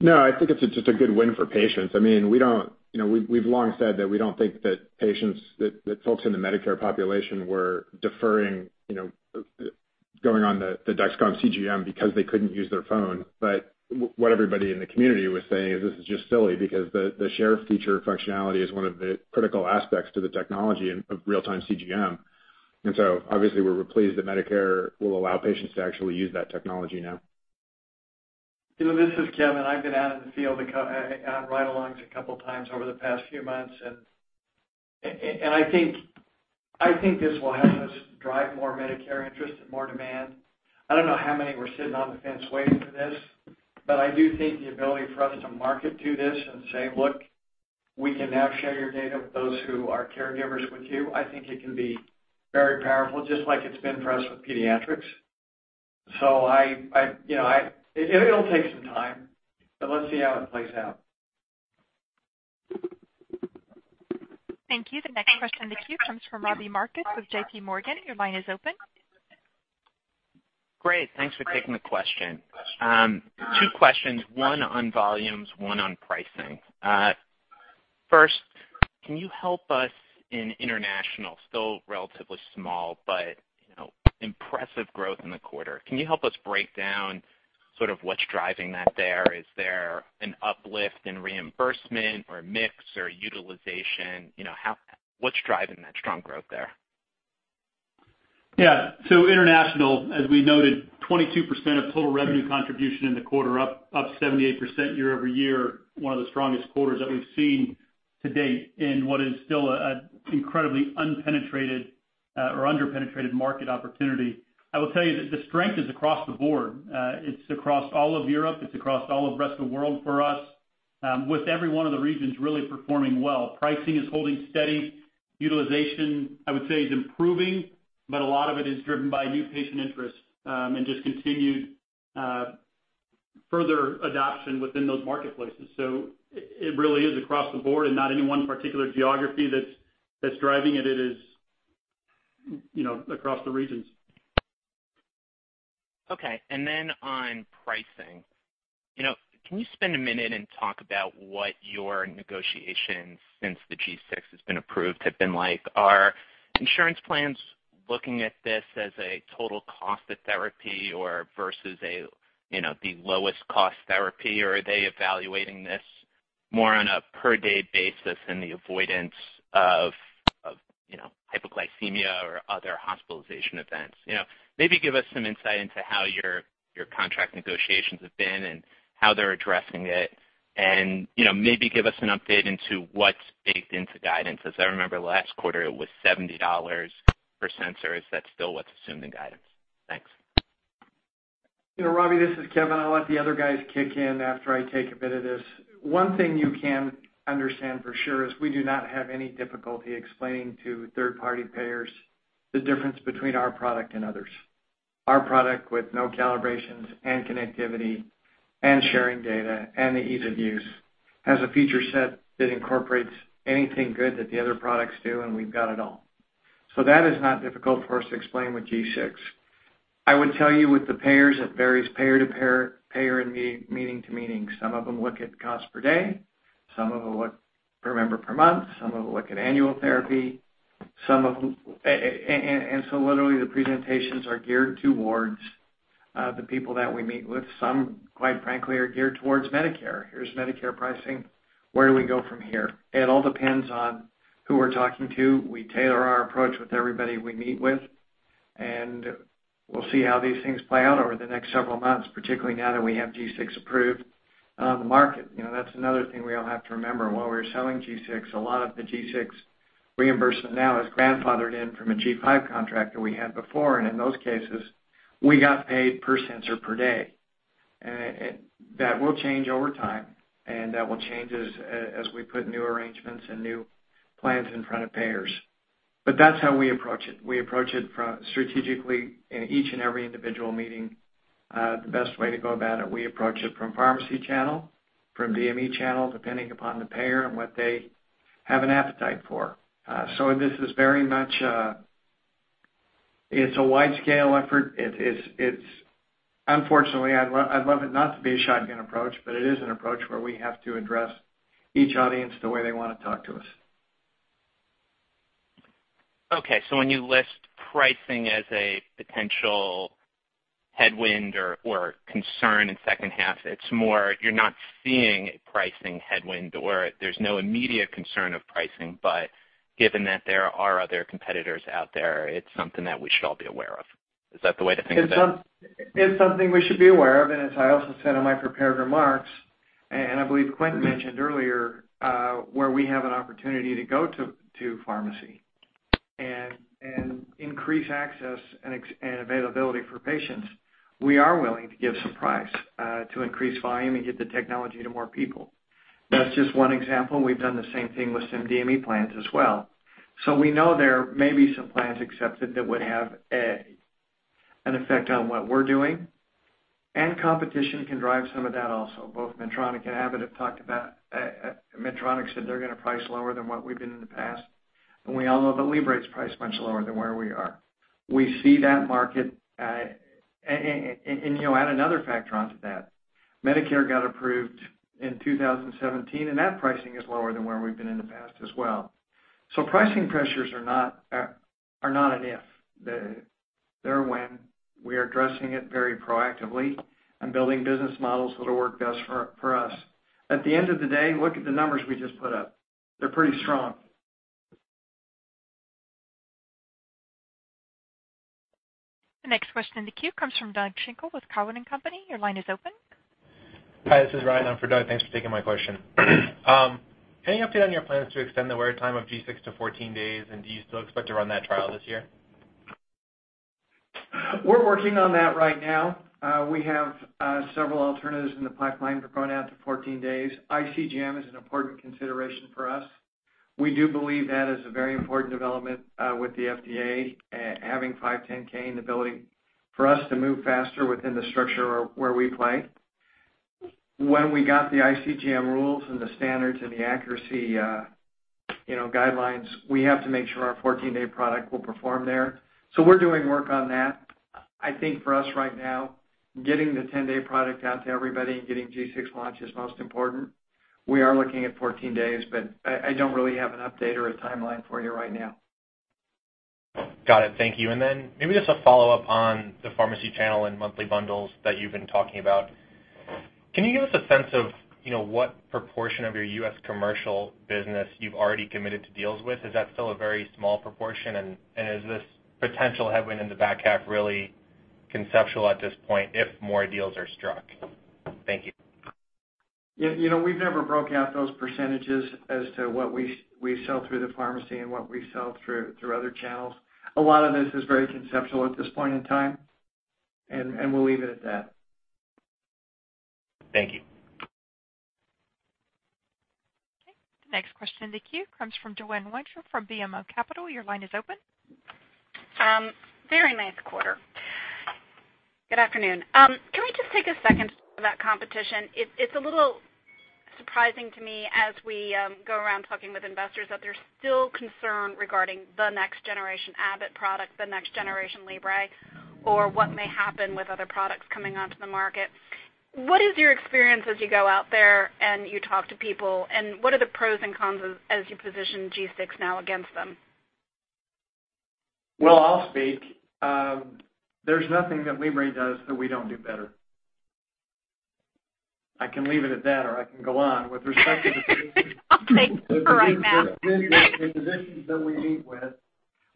S5: No, I think it's just a good win for patients. I mean, we've long said that we don't think that patients, that folks in the Medicare population, were deferring going on the Dexcom CGM because they couldn't use their phone. But what everybody in the community was saying is this is just silly because the share feature functionality is one of the critical aspects to the technology of real-time CGM. And so obviously, we're pleased that Medicare will allow patients to actually use that technology now.
S3: This is Kevin. I've been out in the field and ride-alongs a couple of times over the past few months, and I think this will help us drive more Medicare interest and more demand. I don't know how many were sitting on the fence waiting for this, but I do think the ability for us to market to this and say, "Look, we can now share your data with those who are caregivers with you," I think it can be very powerful, just like it's been for us with pediatrics, so it'll take some time, but let's see how it plays out.
S1: Thank you. The next question in the queue comes from Robbie Marcus with JPMorgan. Your line is open.
S12: Great. Thanks for taking the question. Two questions, one on volumes, one on pricing. First, can you help us in international, still relatively small but impressive growth in the quarter? Can you help us break down sort of what's driving that there? Is there an uplift in reimbursement or mix or utilization? What's driving that strong growth there?
S4: Yeah. So international, as we noted, 22% of total revenue contribution in the quarter, up 78% year-over-year, one of the strongest quarters that we've seen to date in what is still an incredibly unpenetrated or underpenetrated market opportunity. I will tell you that the strength is across the board. It's across all of Europe. It's across all of the rest of the world for us, with every one of the regions really performing well. Pricing is holding steady. Utilization, I would say, is improving, but a lot of it is driven by new patient interest and just continued further adoption within those marketplaces. So it really is across the board and not any one particular geography that's driving it. It is across the regions.
S12: Okay. And then on pricing, can you spend a minute and talk about what your negotiations since the G6 has been approved have been like? Are insurance plans looking at this as a total cost of therapy versus the lowest cost therapy, or are they evaluating this more on a per-day basis and the avoidance of hypoglycemia or other hospitalization events? Maybe give us some insight into how your contract negotiations have been and how they're addressing it, and maybe give us an update into what's baked into guidance. As I remember, last quarter, it was $70 per sensor. Is that still what's assumed in guidance? Thanks.
S3: Robbie, this is Kevin. I'll let the other guys kick in after I take a bit of this. One thing you can understand for sure is we do not have any difficulty explaining to third-party payers the difference between our product and others. Our product, with no calibrations and connectivity and sharing data and the ease of use, has a feature set that incorporates anything good that the other products do, and we've got it all. So that is not difficult for us to explain with G6. I would tell you with the payers, it varies payer to payer, payer and meeting to meeting. Some of them look at cost per day. Some of them look per member per month. Some of them look at annual therapy. And so literally, the presentations are geared towards the people that we meet with. Some, quite frankly, are geared towards Medicare. Here's Medicare pricing. Where do we go from here? It all depends on who we're talking to. We tailor our approach with everybody we meet with, and we'll see how these things play out over the next several months, particularly now that we have G6 approved on the market. That's another thing we all have to remember. While we were selling G6, a lot of the G6 reimbursement now is grandfathered in from a G5 contractor we had before. And in those cases, we got paid per sensor per day. And that will change over time, and that will change as we put new arrangements and new plans in front of payers. But that's how we approach it. We approach it strategically in each and every individual meeting, the best way to go about it. We approach it from pharmacy channel, from DME channel, depending upon the payer and what they have an appetite for. So this is very much it's a wide-scale effort. Unfortunately, I'd love it not to be a shotgun approach, but it is an approach where we have to address each audience the way they want to talk to us.
S12: Okay. So when you list pricing as a potential headwind or concern in second half, it's more you're not seeing a pricing headwind or there's no immediate concern of pricing, but given that there are other competitors out there, it's something that we should all be aware of. Is that the way to think of it?
S3: It's something we should be aware of, and as I also said in my prepared remarks, and I believe Quentin mentioned earlier, where we have an opportunity to go to pharmacy and increase access and availability for patients, we are willing to give some price to increase volume and get the technology to more people. That's just one example. We've done the same thing with some DME plans as well. So we know there may be some plans accepted that would have an effect on what we're doing, and competition can drive some of that also. Both Medtronic and Abbott have talked about. Medtronic said they're going to price lower than what we've been in the past, and we all know that Libre is priced much lower than where we are. We see that market, and add another factor onto that. Medicare got approved in 2017, and that pricing is lower than where we've been in the past as well. So pricing pressures are not an if. They're a win. We are addressing it very proactively and building business models that will work best for us. At the end of the day, look at the numbers we just put up. They're pretty strong.
S1: The next question in the queue comes from Doug Schenkel with Cowen and Company. Your line is open.
S13: Hi, this is Ryan. I'm for Doug. Thanks for taking my question. Any update on your plans to extend the wait time of G6 to 14 days, and do you still expect to run that trial this year?
S3: We're working on that right now. We have several alternatives in the pipeline for going out to 14 days. iCGM is an important consideration for us. We do believe that is a very important development with the FDA, having 510(k) and the ability for us to move faster within the structure where we play. When we got the iCGM rules and the standards and the accuracy guidelines, we have to make sure our 14-day product will perform there. So we're doing work on that. I think for us right now, getting the 10-day product out to everybody and getting G6 launch is most important. We are looking at 14 days, but I don't really have an update or a timeline for you right now.
S13: Got it. Thank you. And then maybe just a follow-up on the pharmacy channel and monthly bundles that you've been talking about. Can you give us a sense of what proportion of your U.S. commercial business you've already committed to deals with? Is that still a very small proportion, and is this potential headwind in the back half really conceptual at this point if more deals are struck? Thank you.
S3: We've never broken out those percentages as to what we sell through the pharmacy and what we sell through other channels. A lot of this is very conceptual at this point in time, and we'll leave it at that.
S13: Thank you.
S1: Okay. The next question in the queue comes from Joanne Wuensch from BMO Capital Markets. Your line is open.
S14: Very nice quarter. Good afternoon. Can we just take a second to talk about competition? It's a little surprising to me as we go around talking with investors that there's still concern regarding the next generation Abbott product, the next generation Libre, or what may happen with other products coming onto the market. What is your experience as you go out there and you talk to people, and what are the pros and cons as you position G6 now against them?
S3: I'll speak. There's nothing that Libre does that we don't do better. I can leave it at that, or I can go on with respect to the position.
S14: I'll take you for right now.
S3: The physicians that we meet with,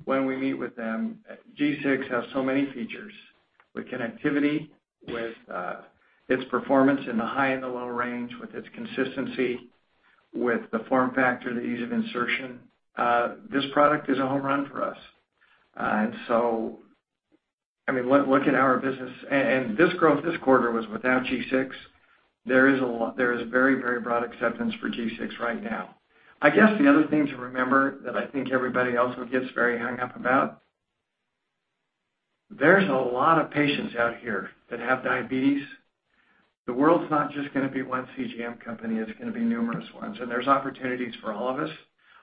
S3: when we meet with them, G6 has so many features with connectivity, with its performance in the high and the low range, with its consistency, with the form factor, the ease of insertion. This product is a home run for us. So, I mean, look at our business. This growth this quarter was without G6. There is very, very broad acceptance for G6 right now. I guess the other thing to remember that I think everybody also gets very hung up about. There's a lot of patients out here that have diabetes. The world's not just going to be one CGM company. It's going to be numerous ones. There's opportunities for all of us.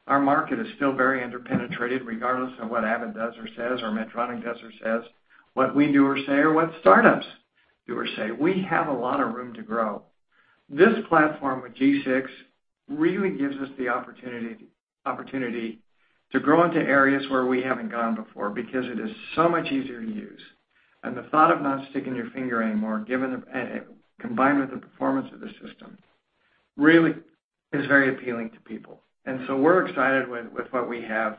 S3: Our market is still very underpenetrated, regardless of what Abbott does or says or Medtronic does or says, what we do or say or what startups do or say. We have a lot of room to grow. This platform with G6 really gives us the opportunity to grow into areas where we haven't gone before because it is so much easier to use. And the thought of not sticking your finger anymore, combined with the performance of the system, really is very appealing to people. And so we're excited with what we have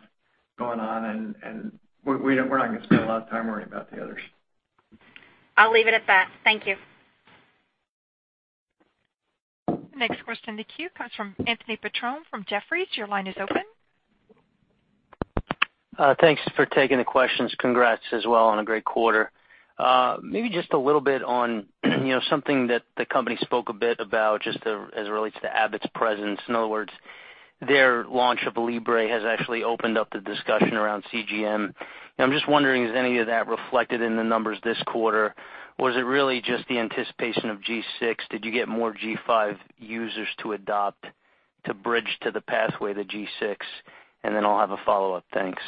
S3: going on, and we're not going to spend a lot of time worrying about the others.
S14: I'll leave it at that. Thank you.
S1: The next question in the queue comes from Anthony Petrone from Jefferies. Your line is open.
S15: Thanks for taking the questions. Congrats as well on a great quarter. Maybe just a little bit on something that the company spoke a bit about just as it relates to Abbott's presence. In other words, their launch of Libre has actually opened up the discussion around CGM. I'm just wondering, is any of that reflected in the numbers this quarter? Was it really just the anticipation of G6? Did you get more G5 users to adopt to bridge to the pathway to G6? And then I'll have a follow-up. Thanks.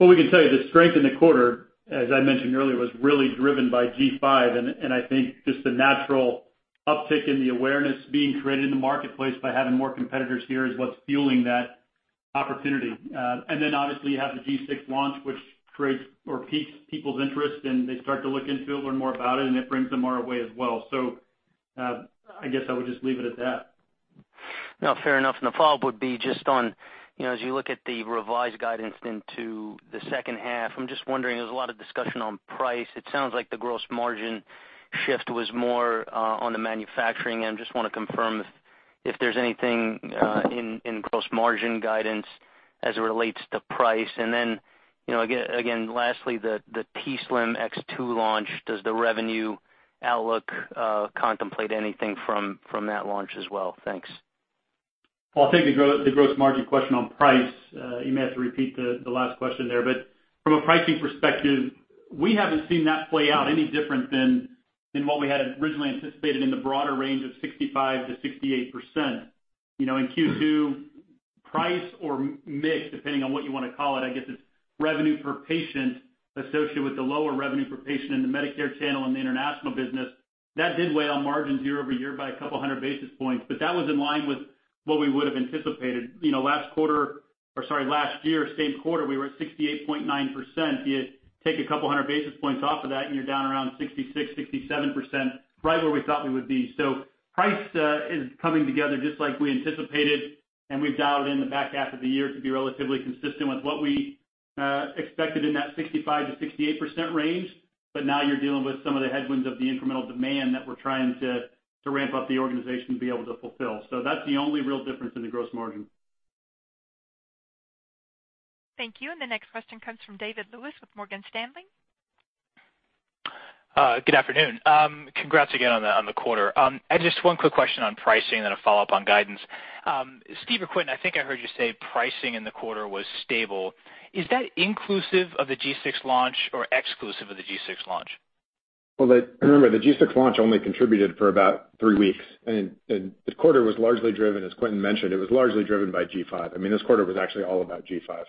S3: We can tell you the strength in the quarter, as I mentioned earlier, was really driven by G5. I think just the natural uptick in the awareness being created in the marketplace by having more competitors here is what's fueling that opportunity. Obviously, you have the G6 launch, which creates or piques people's interest, and they start to look into it, learn more about it, and it brings them more aware as well. I guess I would just leave it at that.
S15: Fair enough. And the follow-up would be just on, as you look at the revised guidance into the second half, I'm just wondering, there's a lot of discussion on price. It sounds like the gross margin shift was more on the manufacturing. And I just want to confirm if there's anything in gross margin guidance as it relates to price. And then, again, lastly, the t:slim X2 launch, does the revenue outlook contemplate anything from that launch as well? Thanks.
S4: I think the gross margin question on price, you may have to repeat the last question there. But from a pricing perspective, we haven't seen that play out any different than what we had originally anticipated in the broader range of 65%-68%. In Q2, price or mix, depending on what you want to call it, I guess it's revenue per patient associated with the lower revenue per patient in the Medicare channel and the international business. That did weigh on margins year over year by a couple hundred basis points, but that was in line with what we would have anticipated. Last quarter, or sorry, last year, same quarter, we were at 68.9%. You take a couple hundred basis points off of that, and you're down around 66%, 67%, right where we thought we would be. So price is coming together just like we anticipated, and we've dialed in the back half of the year to be relatively consistent with what we expected in that 65%-68% range. But now you're dealing with some of the headwinds of the incremental demand that we're trying to ramp up the organization to be able to fulfill. So that's the only real difference in the gross margin.
S1: Thank you. The next question comes from David Lewis with Morgan Stanley.
S16: Good afternoon. Congrats again on the quarter, and just one quick question on pricing and then a follow-up on guidance. Steve, or Quentin, I think I heard you say pricing in the quarter was stable. Is that inclusive of the G6 launch or exclusive of the G6 launch?
S5: Well, remember, the G6 launch only contributed for about three weeks. And the quarter was largely driven, as Quentin mentioned. It was largely driven by G5. I mean, this quarter was actually all about G5.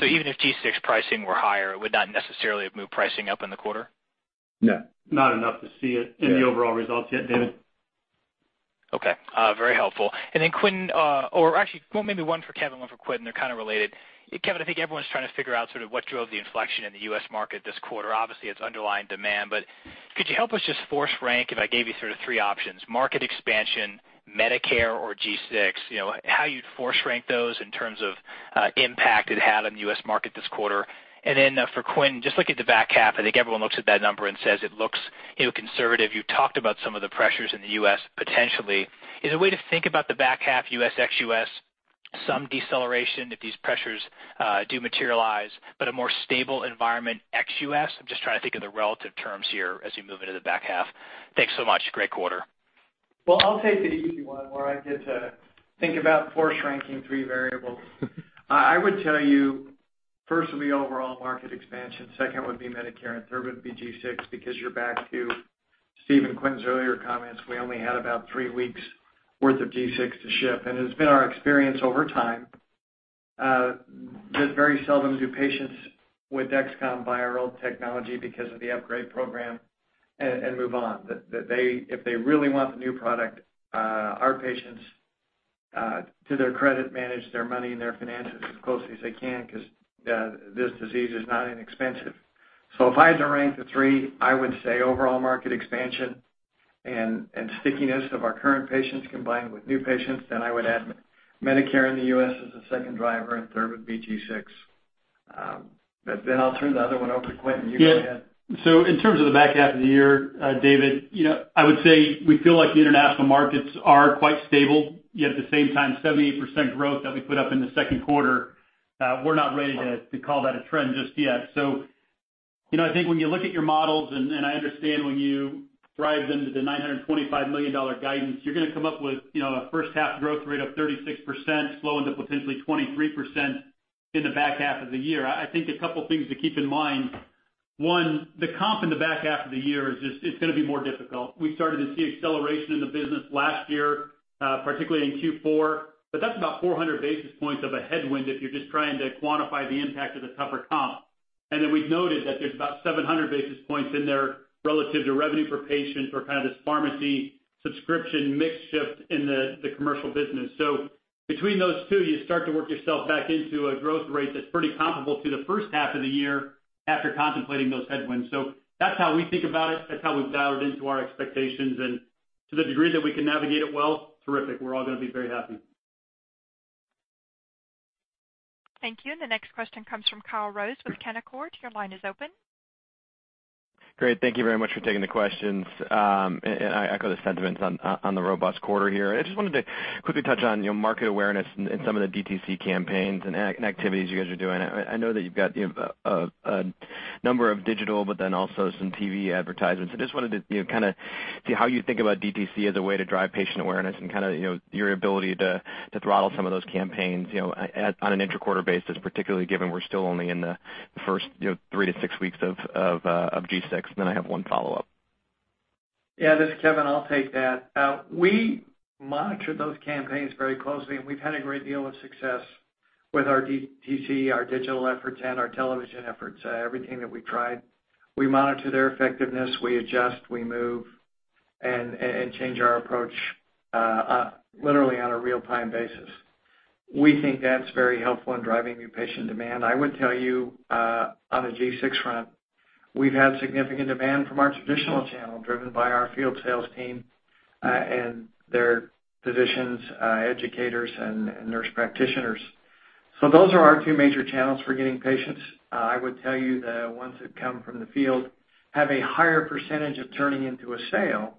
S16: So even if G6 pricing were higher, it would not necessarily have moved pricing up in the quarter?
S5: No. Not enough to see it in the overall results yet, David.
S16: Okay. Very helpful. And then, Quentin, or actually, maybe one for Kevin and one for Quentin. They're kind of related. Kevin, I think everyone's trying to figure out sort of what drove the inflection in the U.S. market this quarter. Obviously, it's underlying demand. But could you help us just force rank if I gave you sort of three options: market expansion, Medicare, or G6? How you'd force rank those in terms of impact it had on the U.S. market this quarter. And then for Quentin, just look at the back half. I think everyone looks at that number and says it looks conservative. You talked about some of the pressures in the U.S. potentially. Is there a way to think about the back half, U.S., ex-U.S., some deceleration if these pressures do materialize, but a more stable environment ex-U.S.? I'm just trying to think of the relative terms here as we move into the back half. Thanks so much. Great quarter.
S3: I'll take the easy one where I get to think about force ranking three variables. I would tell you first would be overall market expansion. Second would be Medicare, and third would be G6 because you're back to Steve and Quentin's earlier comments. We only had about three weeks' worth of G6 to ship. And it's been our experience over time that very seldom do patients with Dexcom buy our old technology because of the upgrade program and move on. If they really want the new product, our patients, to their credit, manage their money and their finances as closely as they can because this disease is not inexpensive. If I had to rank the three, I would say overall market expansion and stickiness of our current patients combined with new patients, then I would add Medicare in the U.S. as the second driver, and third would be G6. But then I'll turn the other one over to Quentin. You go ahead.
S4: Yeah. So in terms of the back half of the year, David, I would say we feel like the international markets are quite stable. Yet at the same time, 78% growth that we put up in the second quarter, we're not ready to call that a trend just yet. So I think when you look at your models, and I understand when you drive them to the $925 million guidance, you're going to come up with a first half growth rate of 36%, slowing to potentially 23% in the back half of the year. I think a couple of things to keep in mind. One, the comp in the back half of the year is just, it's going to be more difficult. We started to see acceleration in the business last year, particularly in Q4, but that's about 400 basis points of a headwind if you're just trying to quantify the impact of the tougher comp, and then we've noted that there's about 700 basis points in there relative to revenue per patient for kind of this pharmacy subscription mix shift in the commercial business, so between those two, you start to work yourself back into a growth rate that's pretty comparable to the first half of the year after contemplating those headwinds, so that's how we think about it. That's how we've dialed it into our expectations, and to the degree that we can navigate it well, terrific. We're all going to be very happy.
S1: Thank you. And the next question comes from Kyle Rose with Canaccord. Your line is open.
S17: Great. Thank you very much for taking the questions. And I echo the sentiments on the robust quarter here. I just wanted to quickly touch on market awareness and some of the DTC campaigns and activities you guys are doing. I know that you've got a number of digital, but then also some TV advertisements. I just wanted to kind of see how you think about DTC as a way to drive patient awareness and kind of your ability to throttle some of those campaigns on an interquarter basis, particularly given we're still only in the first three to six weeks of G6. And then I have one follow-up.
S3: Yeah. This is Kevin. I'll take that. We monitor those campaigns very closely, and we've had a great deal of success with our DTC, our digital efforts, and our television efforts, everything that we've tried. We monitor their effectiveness. We adjust, we move, and change our approach literally on a real-time basis. We think that's very helpful in driving new patient demand. I would tell you on the G6 front, we've had significant demand from our traditional channel driven by our field sales team and their physicians, educators, and nurse practitioners. So those are our two major channels for getting patients. I would tell you the ones that come from the field have a higher percentage of turning into a sale,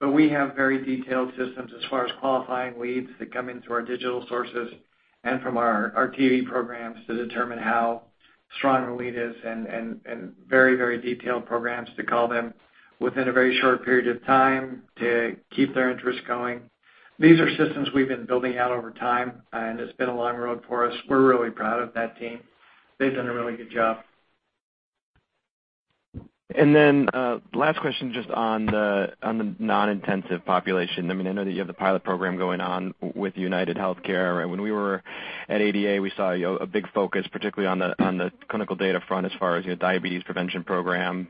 S3: but we have very detailed systems as far as qualifying leads that come into our digital sources and from our TV programs to determine how strong a lead is and very, very detailed programs to call them within a very short period of time to keep their interest going. These are systems we've been building out over time, and it's been a long road for us. We're really proud of that team. They've done a really good job.
S17: And then last question just on the non-intensive population. I mean, I know that you have the pilot program going on with UnitedHealthcare. When we were at ADA, we saw a big focus, particularly on the clinical data front as far as diabetes prevention program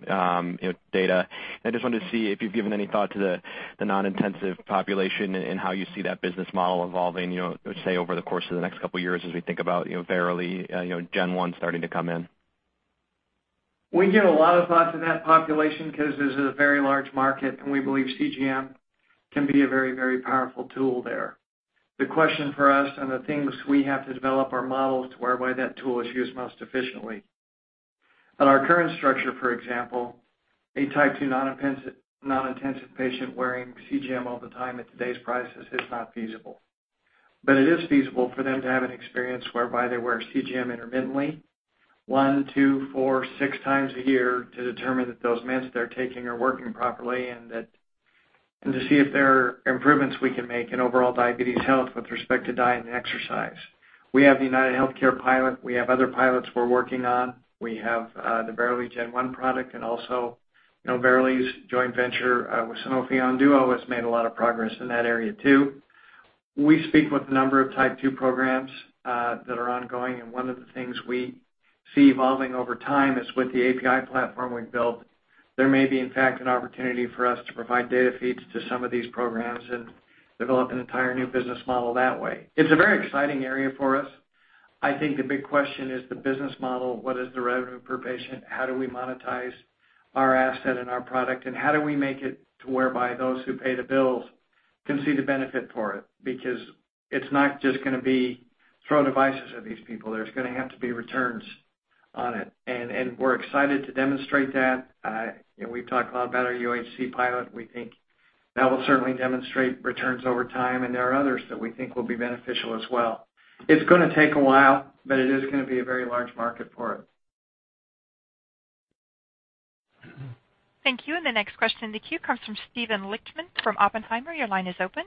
S17: data. I just wanted to see if you've given any thought to the non-intensive population and how you see that business model evolving, say, over the course of the next couple of years as we think about Verily Gen 1 starting to come in.
S3: We give a lot of thought to that population because this is a very large market, and we believe CGM can be a very, very powerful tool there. The question for us, and the things we have to develop our models to, whereby that tool is used most efficiently. On our current structure, for example, a Type 2 non-intensive patient wearing CGM all the time at today's prices is not feasible. But it is feasible for them to have an experience whereby they wear CGM intermittently, one, two, four, six times a year to determine that those meds they're taking are working properly and to see if there are improvements we can make in overall diabetes health with respect to diet and exercise. We have the UnitedHealthcare pilot. We have other pilots we're working on. We have the Verily Gen 1 product and also Verily's joint venture with Sanofi Onduo has made a lot of progress in that area too. We speak with a number of Type 2 programs that are ongoing, and one of the things we see evolving over time is with the API platform we've built, there may be, in fact, an opportunity for us to provide data feeds to some of these programs and develop an entire new business model that way. It's a very exciting area for us. I think the big question is the business model. What is the revenue per patient? How do we monetize our asset and our product? And how do we make it to whereby those who pay the bills can see the benefit for it? Because it's not just going to be throw devices at these people. There's going to have to be returns on it. And we're excited to demonstrate that. We've talked a lot about our UHC pilot. We think that will certainly demonstrate returns over time. And there are others that we think will be beneficial as well. It's going to take a while, but it is going to be a very large market for it.
S1: Thank you. And the next question in the queue comes from Steven Lichtman from Oppenheimer. Your line is open.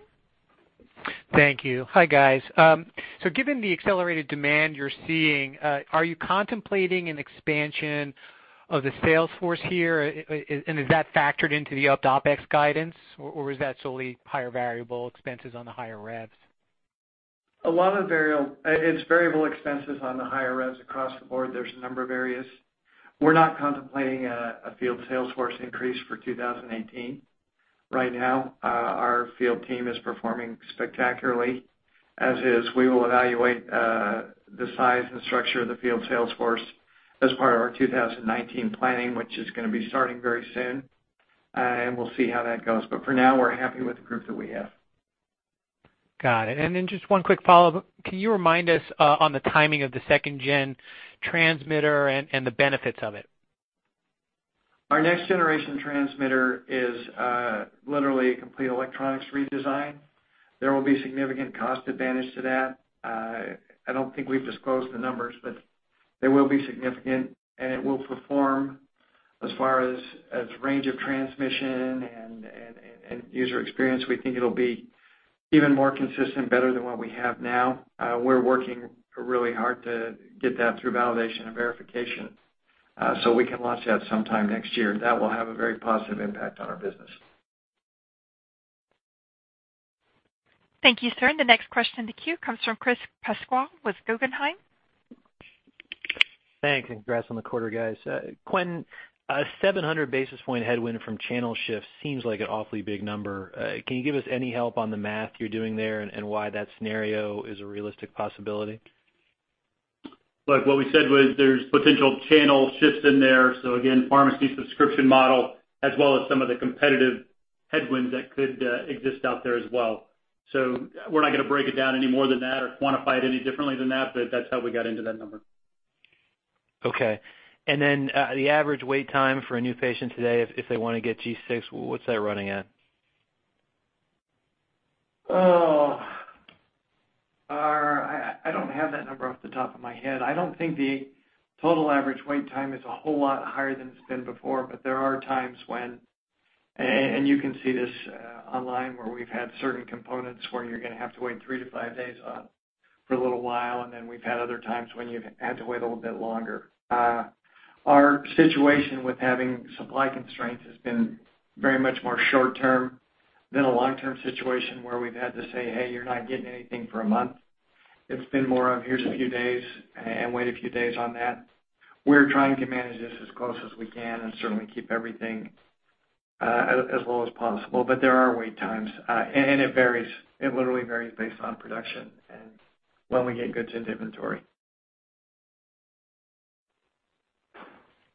S18: Thank you. Hi, guys. So given the accelerated demand you're seeing, are you contemplating an expansion of the sales force here? And is that factored into the OpEx guidance, or is that solely higher variable expenses on the higher revs?
S3: A lot of variables. It's variable expenses on the higher revs across the board. There's a number of areas. We're not contemplating a field sales force increase for 2018 right now. Our field team is performing spectacularly. As is, we will evaluate the size and structure of the field sales force as part of our 2019 planning, which is going to be starting very soon, and we'll see how that goes, but for now, we're happy with the group that we have.
S18: Got it. And then just one quick follow-up. Can you remind us on the timing of the second-gen transmitter and the benefits of it?
S3: Our next-generation transmitter is literally a complete electronics redesign. There will be significant cost advantage to that. I don't think we've disclosed the numbers, but there will be significant, and it will perform as far as range of transmission and user experience. We think it'll be even more consistent, better than what we have now. We're working really hard to get that through validation and verification so we can launch that sometime next year. That will have a very positive impact on our business.
S1: Thank you, sir. And the next question in the queue comes from Chris Pasquale with Guggenheim.
S19: Thanks. And congrats on the quarter, guys. Quentin, a 700 basis points headwind from channel shift seems like an awfully big number. Can you give us any help on the math you're doing there and why that scenario is a realistic possibility?
S4: Look, what we said was there's potential channel shifts in there. So again, pharmacy subscription model as well as some of the competitive headwinds that could exist out there as well. So we're not going to break it down any more than that or quantify it any differently than that, but that's how we got into that number.
S19: Okay. And then the average wait time for a new patient today if they want to get G6, what's that running at?
S4: I don't have that number off the top of my head. I don't think the total average wait time is a whole lot higher than it's been before, but there are times when and you can see this online where we've had certain components where you're going to have to wait three to five days for a little while, and then we've had other times when you've had to wait a little bit longer. Our situation with having supply constraints has been very much more short-term than a long-term situation where we've had to say, "Hey, you're not getting anything for a month." It's been more of, "Here's a few days," and wait a few days on that. We're trying to manage this as close as we can and certainly keep everything as low as possible. But there are wait times, and it varies. It literally varies based on production and when we get goods into inventory.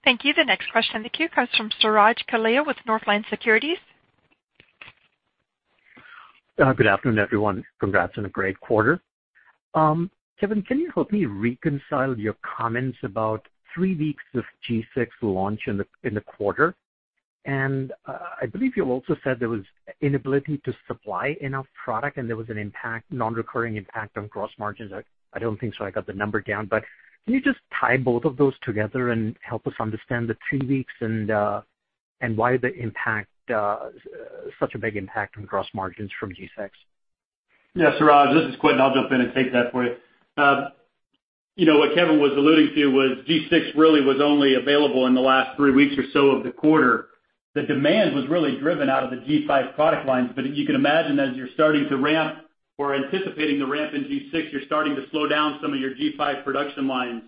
S1: Thank you. The next question in the queue comes from Suraj Kalia with Northland Securities.
S20: Good afternoon, everyone. Congrats on a great quarter. Kevin, can you help me reconcile your comments about three weeks of G6 launch in the quarter? And I believe you also said there was inability to supply enough product, and there was an impact, non-recurring impact on gross margins. I don't think so. I got the number down. But can you just tie both of those together and help us understand the three weeks and why the impact, such a big impact on gross margins from G6?
S4: Yeah. Suraj, this is Quentin. I'll jump in and take that for you. What Kevin was alluding to was G6 really was only available in the last three weeks or so of the quarter. The demand was really driven out of the G5 product lines. But you can imagine as you're starting to ramp or anticipating the ramp in G6, you're starting to slow down some of your G5 production lines.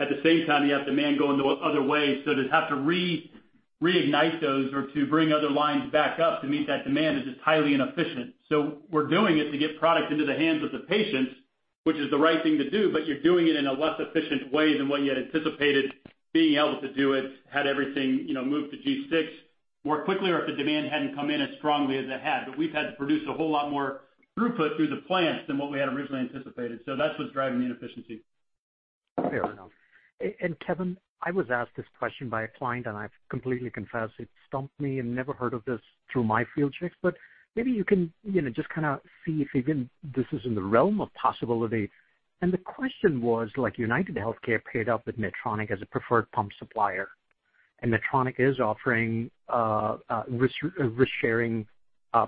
S4: At the same time, you have demand going the other way. So to have to reignite those or to bring other lines back up to meet that demand is just highly inefficient. So we're doing it to get product into the hands of the patients, which is the right thing to do, but you're doing it in a less efficient way than what you had anticipated being able to do it had everything moved to G6 more quickly or if the demand hadn't come in as strongly as it had. But we've had to produce a whole lot more throughput through the plants than what we had originally anticipated. So that's what's driving the inefficiency.
S20: Fair enough. And Kevin, I was asked this question by a client, and I've completely confessed. It stumped me. I've never heard of this through my field checks, but maybe you can just kind of see if even this is in the realm of possibility. And the question was, UnitedHealthcare partnered up with Medtronic as a preferred pump supplier, and Medtronic is offering risk-sharing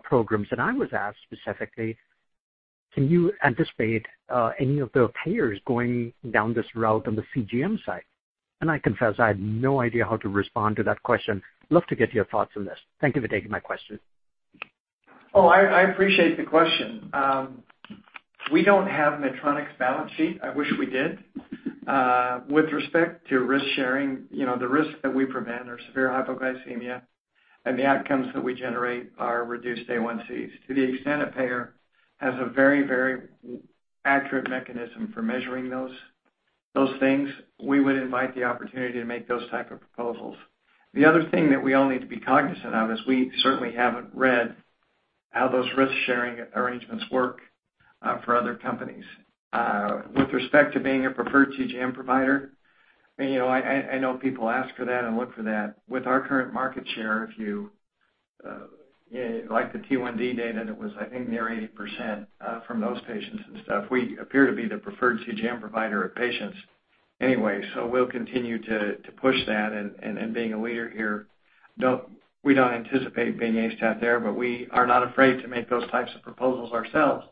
S20: programs. And I was asked specifically, can you anticipate any of the payers going down this route on the CGM side? And I confess, I had no idea how to respond to that question. I'd love to get your thoughts on this. Thank you for taking my question.
S3: Oh, I appreciate the question. We don't have Medtronic's balance sheet. I wish we did. With respect to risk-sharing, the risks that we prevent are severe hypoglycemia, and the outcomes that we generate are reduced A1Cs. To the extent a payer has a very, very accurate mechanism for measuring those things, we would invite the opportunity to make those types of proposals. The other thing that we all need to be cognizant of is we certainly haven't read how those risk-sharing arrangements work for other companies. With respect to being a preferred CGM provider, I know people ask for that and look for that. With our current market share, if you like the T1D data, it was, I think, near 80% from those patients and stuff. We appear to be the preferred CGM provider of patients anyway. So we'll continue to push that. And being a leader here, we don't anticipate being aced out there, but we are not afraid to make those types of proposals ourselves.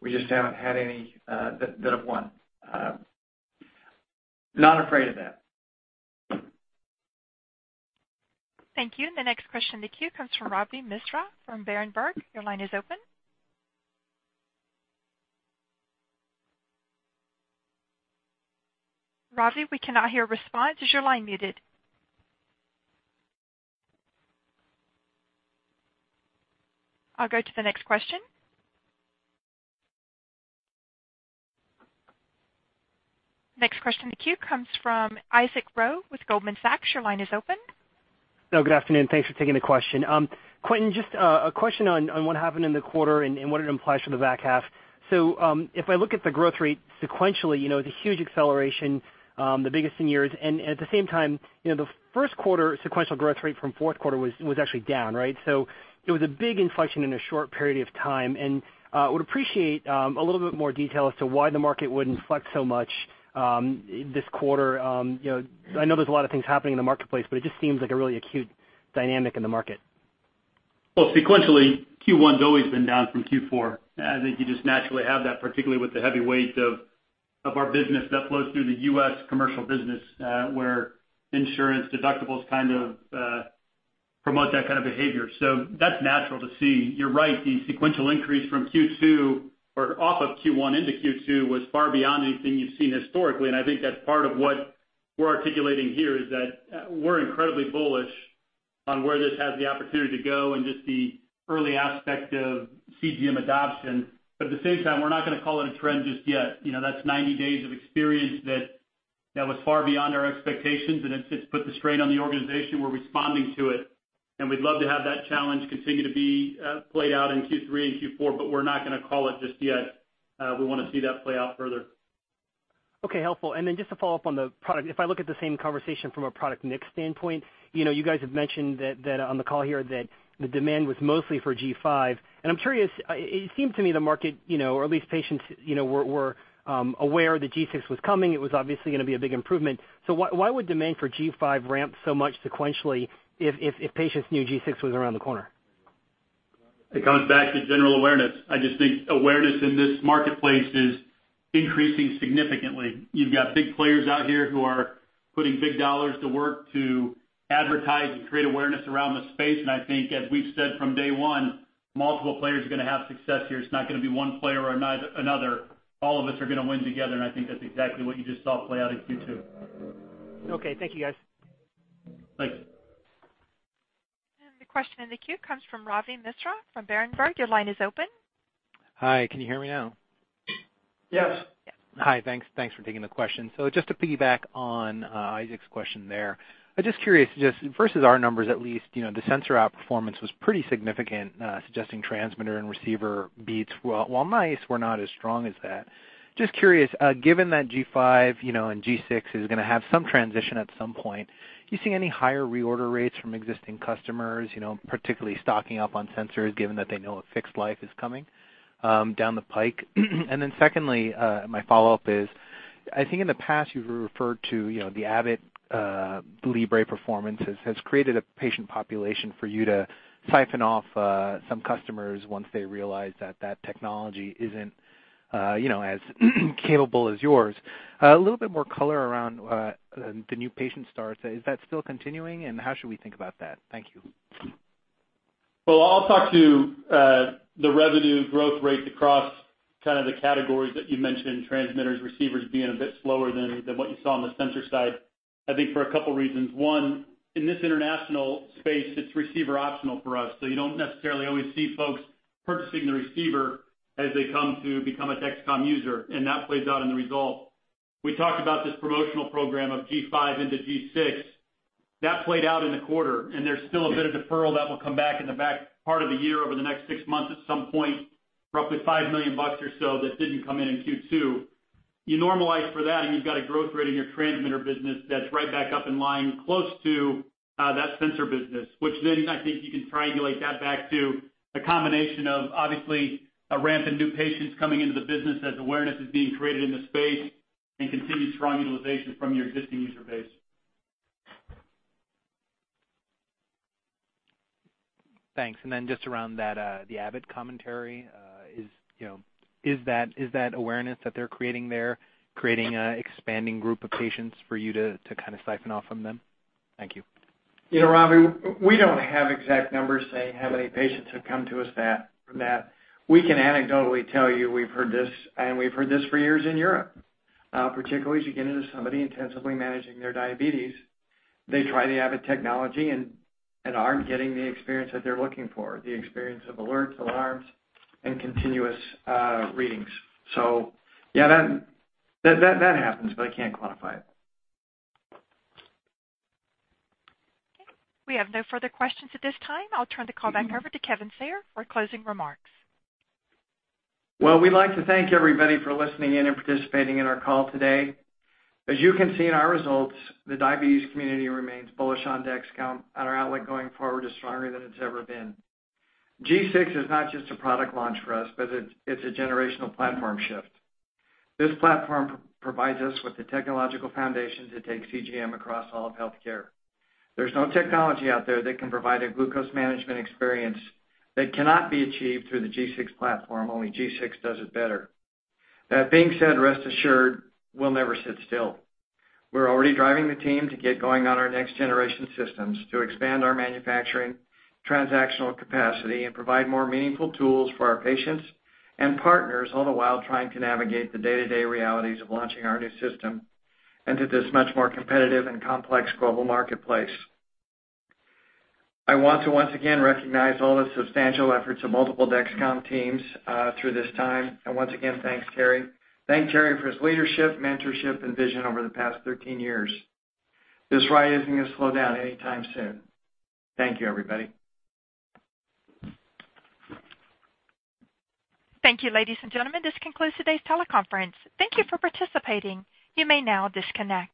S3: We just haven't had any that have won. Not afraid of that.
S1: Thank you. And the next question in the queue comes from Ravi Misra from Berenberg. Your line is open. Ravi, we cannot hear a response. Is your line muted? I'll go to the next question. Next question in the queue comes from Isaac Ro with Goldman Sachs. Your line is open.
S21: Hello. Good afternoon. Thanks for taking the question. Quentin, just a question on what happened in the quarter and what it implies for the back half. So if I look at the growth rate sequentially, it's a huge acceleration, the biggest in years. And at the same time, the first quarter sequential growth rate from fourth quarter was actually down, right? So it was a big inflection in a short period of time. And I would appreciate a little bit more detail as to why the market would inflect so much this quarter. I know there's a lot of things happening in the marketplace, but it just seems like a really acute dynamic in the market.
S4: Sequentially, Q1 has always been down from Q4. I think you just naturally have that, particularly with the heavy weight of our business that flows through the U.S. commercial business where insurance deductibles kind of promote that kind of behavior. So that's natural to see. You're right. The sequential increase from Q2 or off of Q1 into Q2 was far beyond anything you've seen historically. And I think that's part of what we're articulating here is that we're incredibly bullish on where this has the opportunity to go and just the early aspect of CGM adoption. But at the same time, we're not going to call it a trend just yet. That's 90 days of experience that was far beyond our expectations, and it's put the strain on the organization. We're responding to it. We'd love to have that challenge continue to be played out in Q3 and Q4, but we're not going to call it just yet. We want to see that play out further.
S21: Okay. Helpful. And then just to follow up on the product, if I look at the same conversation from a product mix standpoint, you guys have mentioned on the call here that the demand was mostly for G5. And I'm curious, it seemed to me the market, or at least patients, were aware that G6 was coming. It was obviously going to be a big improvement. So why would demand for G5 ramp so much sequentially if patients knew G6 was around the corner?
S4: It comes back to general awareness. I just think awareness in this marketplace is increasing significantly. You've got big players out here who are putting big dollars to work to advertise and create awareness around the space. And I think, as we've said from day one, multiple players are going to have success here. It's not going to be one player or another. All of us are going to win together, and I think that's exactly what you just saw play out in Q2.
S21: Okay. Thank you, guys.
S3: Thanks.
S1: The question in the queue comes from Ravi Misra from Berenberg. Your line is open.
S22: Hi. Can you hear me now?
S3: Yes.
S1: Yes.
S22: Hi. Thanks for taking the question. So just to piggyback on Isaac's question there, I'm just curious, versus our numbers at least, the sensor outperformance was pretty significant, suggesting transmitter and receiver beats, while mix were not as strong as that. Just curious, given that G5 and G6 is going to have some transition at some point, do you see any higher reorder rates from existing customers, particularly stocking up on sensors, given that they know a fixed life is coming down the pike? And then secondly, my follow-up is, I think in the past you've referred to the Abbott Libre performance has created a patient population for you to siphon off some customers once they realize that that technology isn't as capable as yours. A little bit more color around the new patient starts. Is that still continuing, and how should we think about that? Thank you.
S3: I'll talk to the revenue growth rate across kind of the categories that you mentioned, transmitters, receivers being a bit slower than what you saw on the sensor side. I think for a couple of reasons. One, in this international space, it's receiver optional for us. So you don't necessarily always see folks purchasing the receiver as they come to become a Dexcom user. And that plays out in the result. We talked about this promotional program of G5 into G6. That played out in the quarter, and there's still a bit of deferral that will come back in the back part of the year over the next six months at some point, roughly $5 million or so that didn't come in in Q2. You normalize for that, and you've got a growth rate in your transmitter business that's right back up and aligning close to that sensor business, which then I think you can triangulate that back to a combination of obviously a ramp in new patients coming into the business as awareness is being created in the space and continued strong utilization from your existing user base.
S22: Thanks. And then just around that, the Abbott commentary, is that awareness that they're creating, thereby creating an expanding group of patients for you to kind of siphon off from them? Thank you.
S3: You know, Ravi, we don't have exact numbers saying how many patients have come to us from that. We can anecdotally tell you we've heard this, and we've heard this for years in Europe, particularly as you get into somebody intensively managing their diabetes. They try the Abbott technology and aren't getting the experience that they're looking for, the experience of alerts, alarms, and continuous readings. So yeah, that happens, but I can't quantify it.
S1: Okay. We have no further questions at this time. I'll turn the call back over to Kevin Sayer for closing remarks.
S3: We'd like to thank everybody for listening in and participating in our call today. As you can see in our results, the diabetes community remains bullish on Dexcom and our outlook going forward is stronger than it's ever been. G6 is not just a product launch for us, but it's a generational platform shift. This platform provides us with the technological foundation to take CGM across all of healthcare. There's no technology out there that can provide a glucose management experience that cannot be achieved through the G6 platform. Only G6 does it better. That being said, rest assured, we'll never sit still. We're already driving the team to get going on our next generation systems to expand our manufacturing transactional capacity and provide more meaningful tools for our patients and partners, all the while trying to navigate the day-to-day realities of launching our new system into this much more competitive and complex global marketplace. I want to once again recognize all the substantial efforts of multiple Dexcom teams through this time, and once again, thanks, Terry. Thank Terry for his leadership, mentorship, and vision over the past 13 years. This ride isn't going to slow down anytime soon. Thank you, everybody.
S1: Thank you, ladies and gentlemen. This concludes today's teleconference. Thank you for participating. You may now disconnect.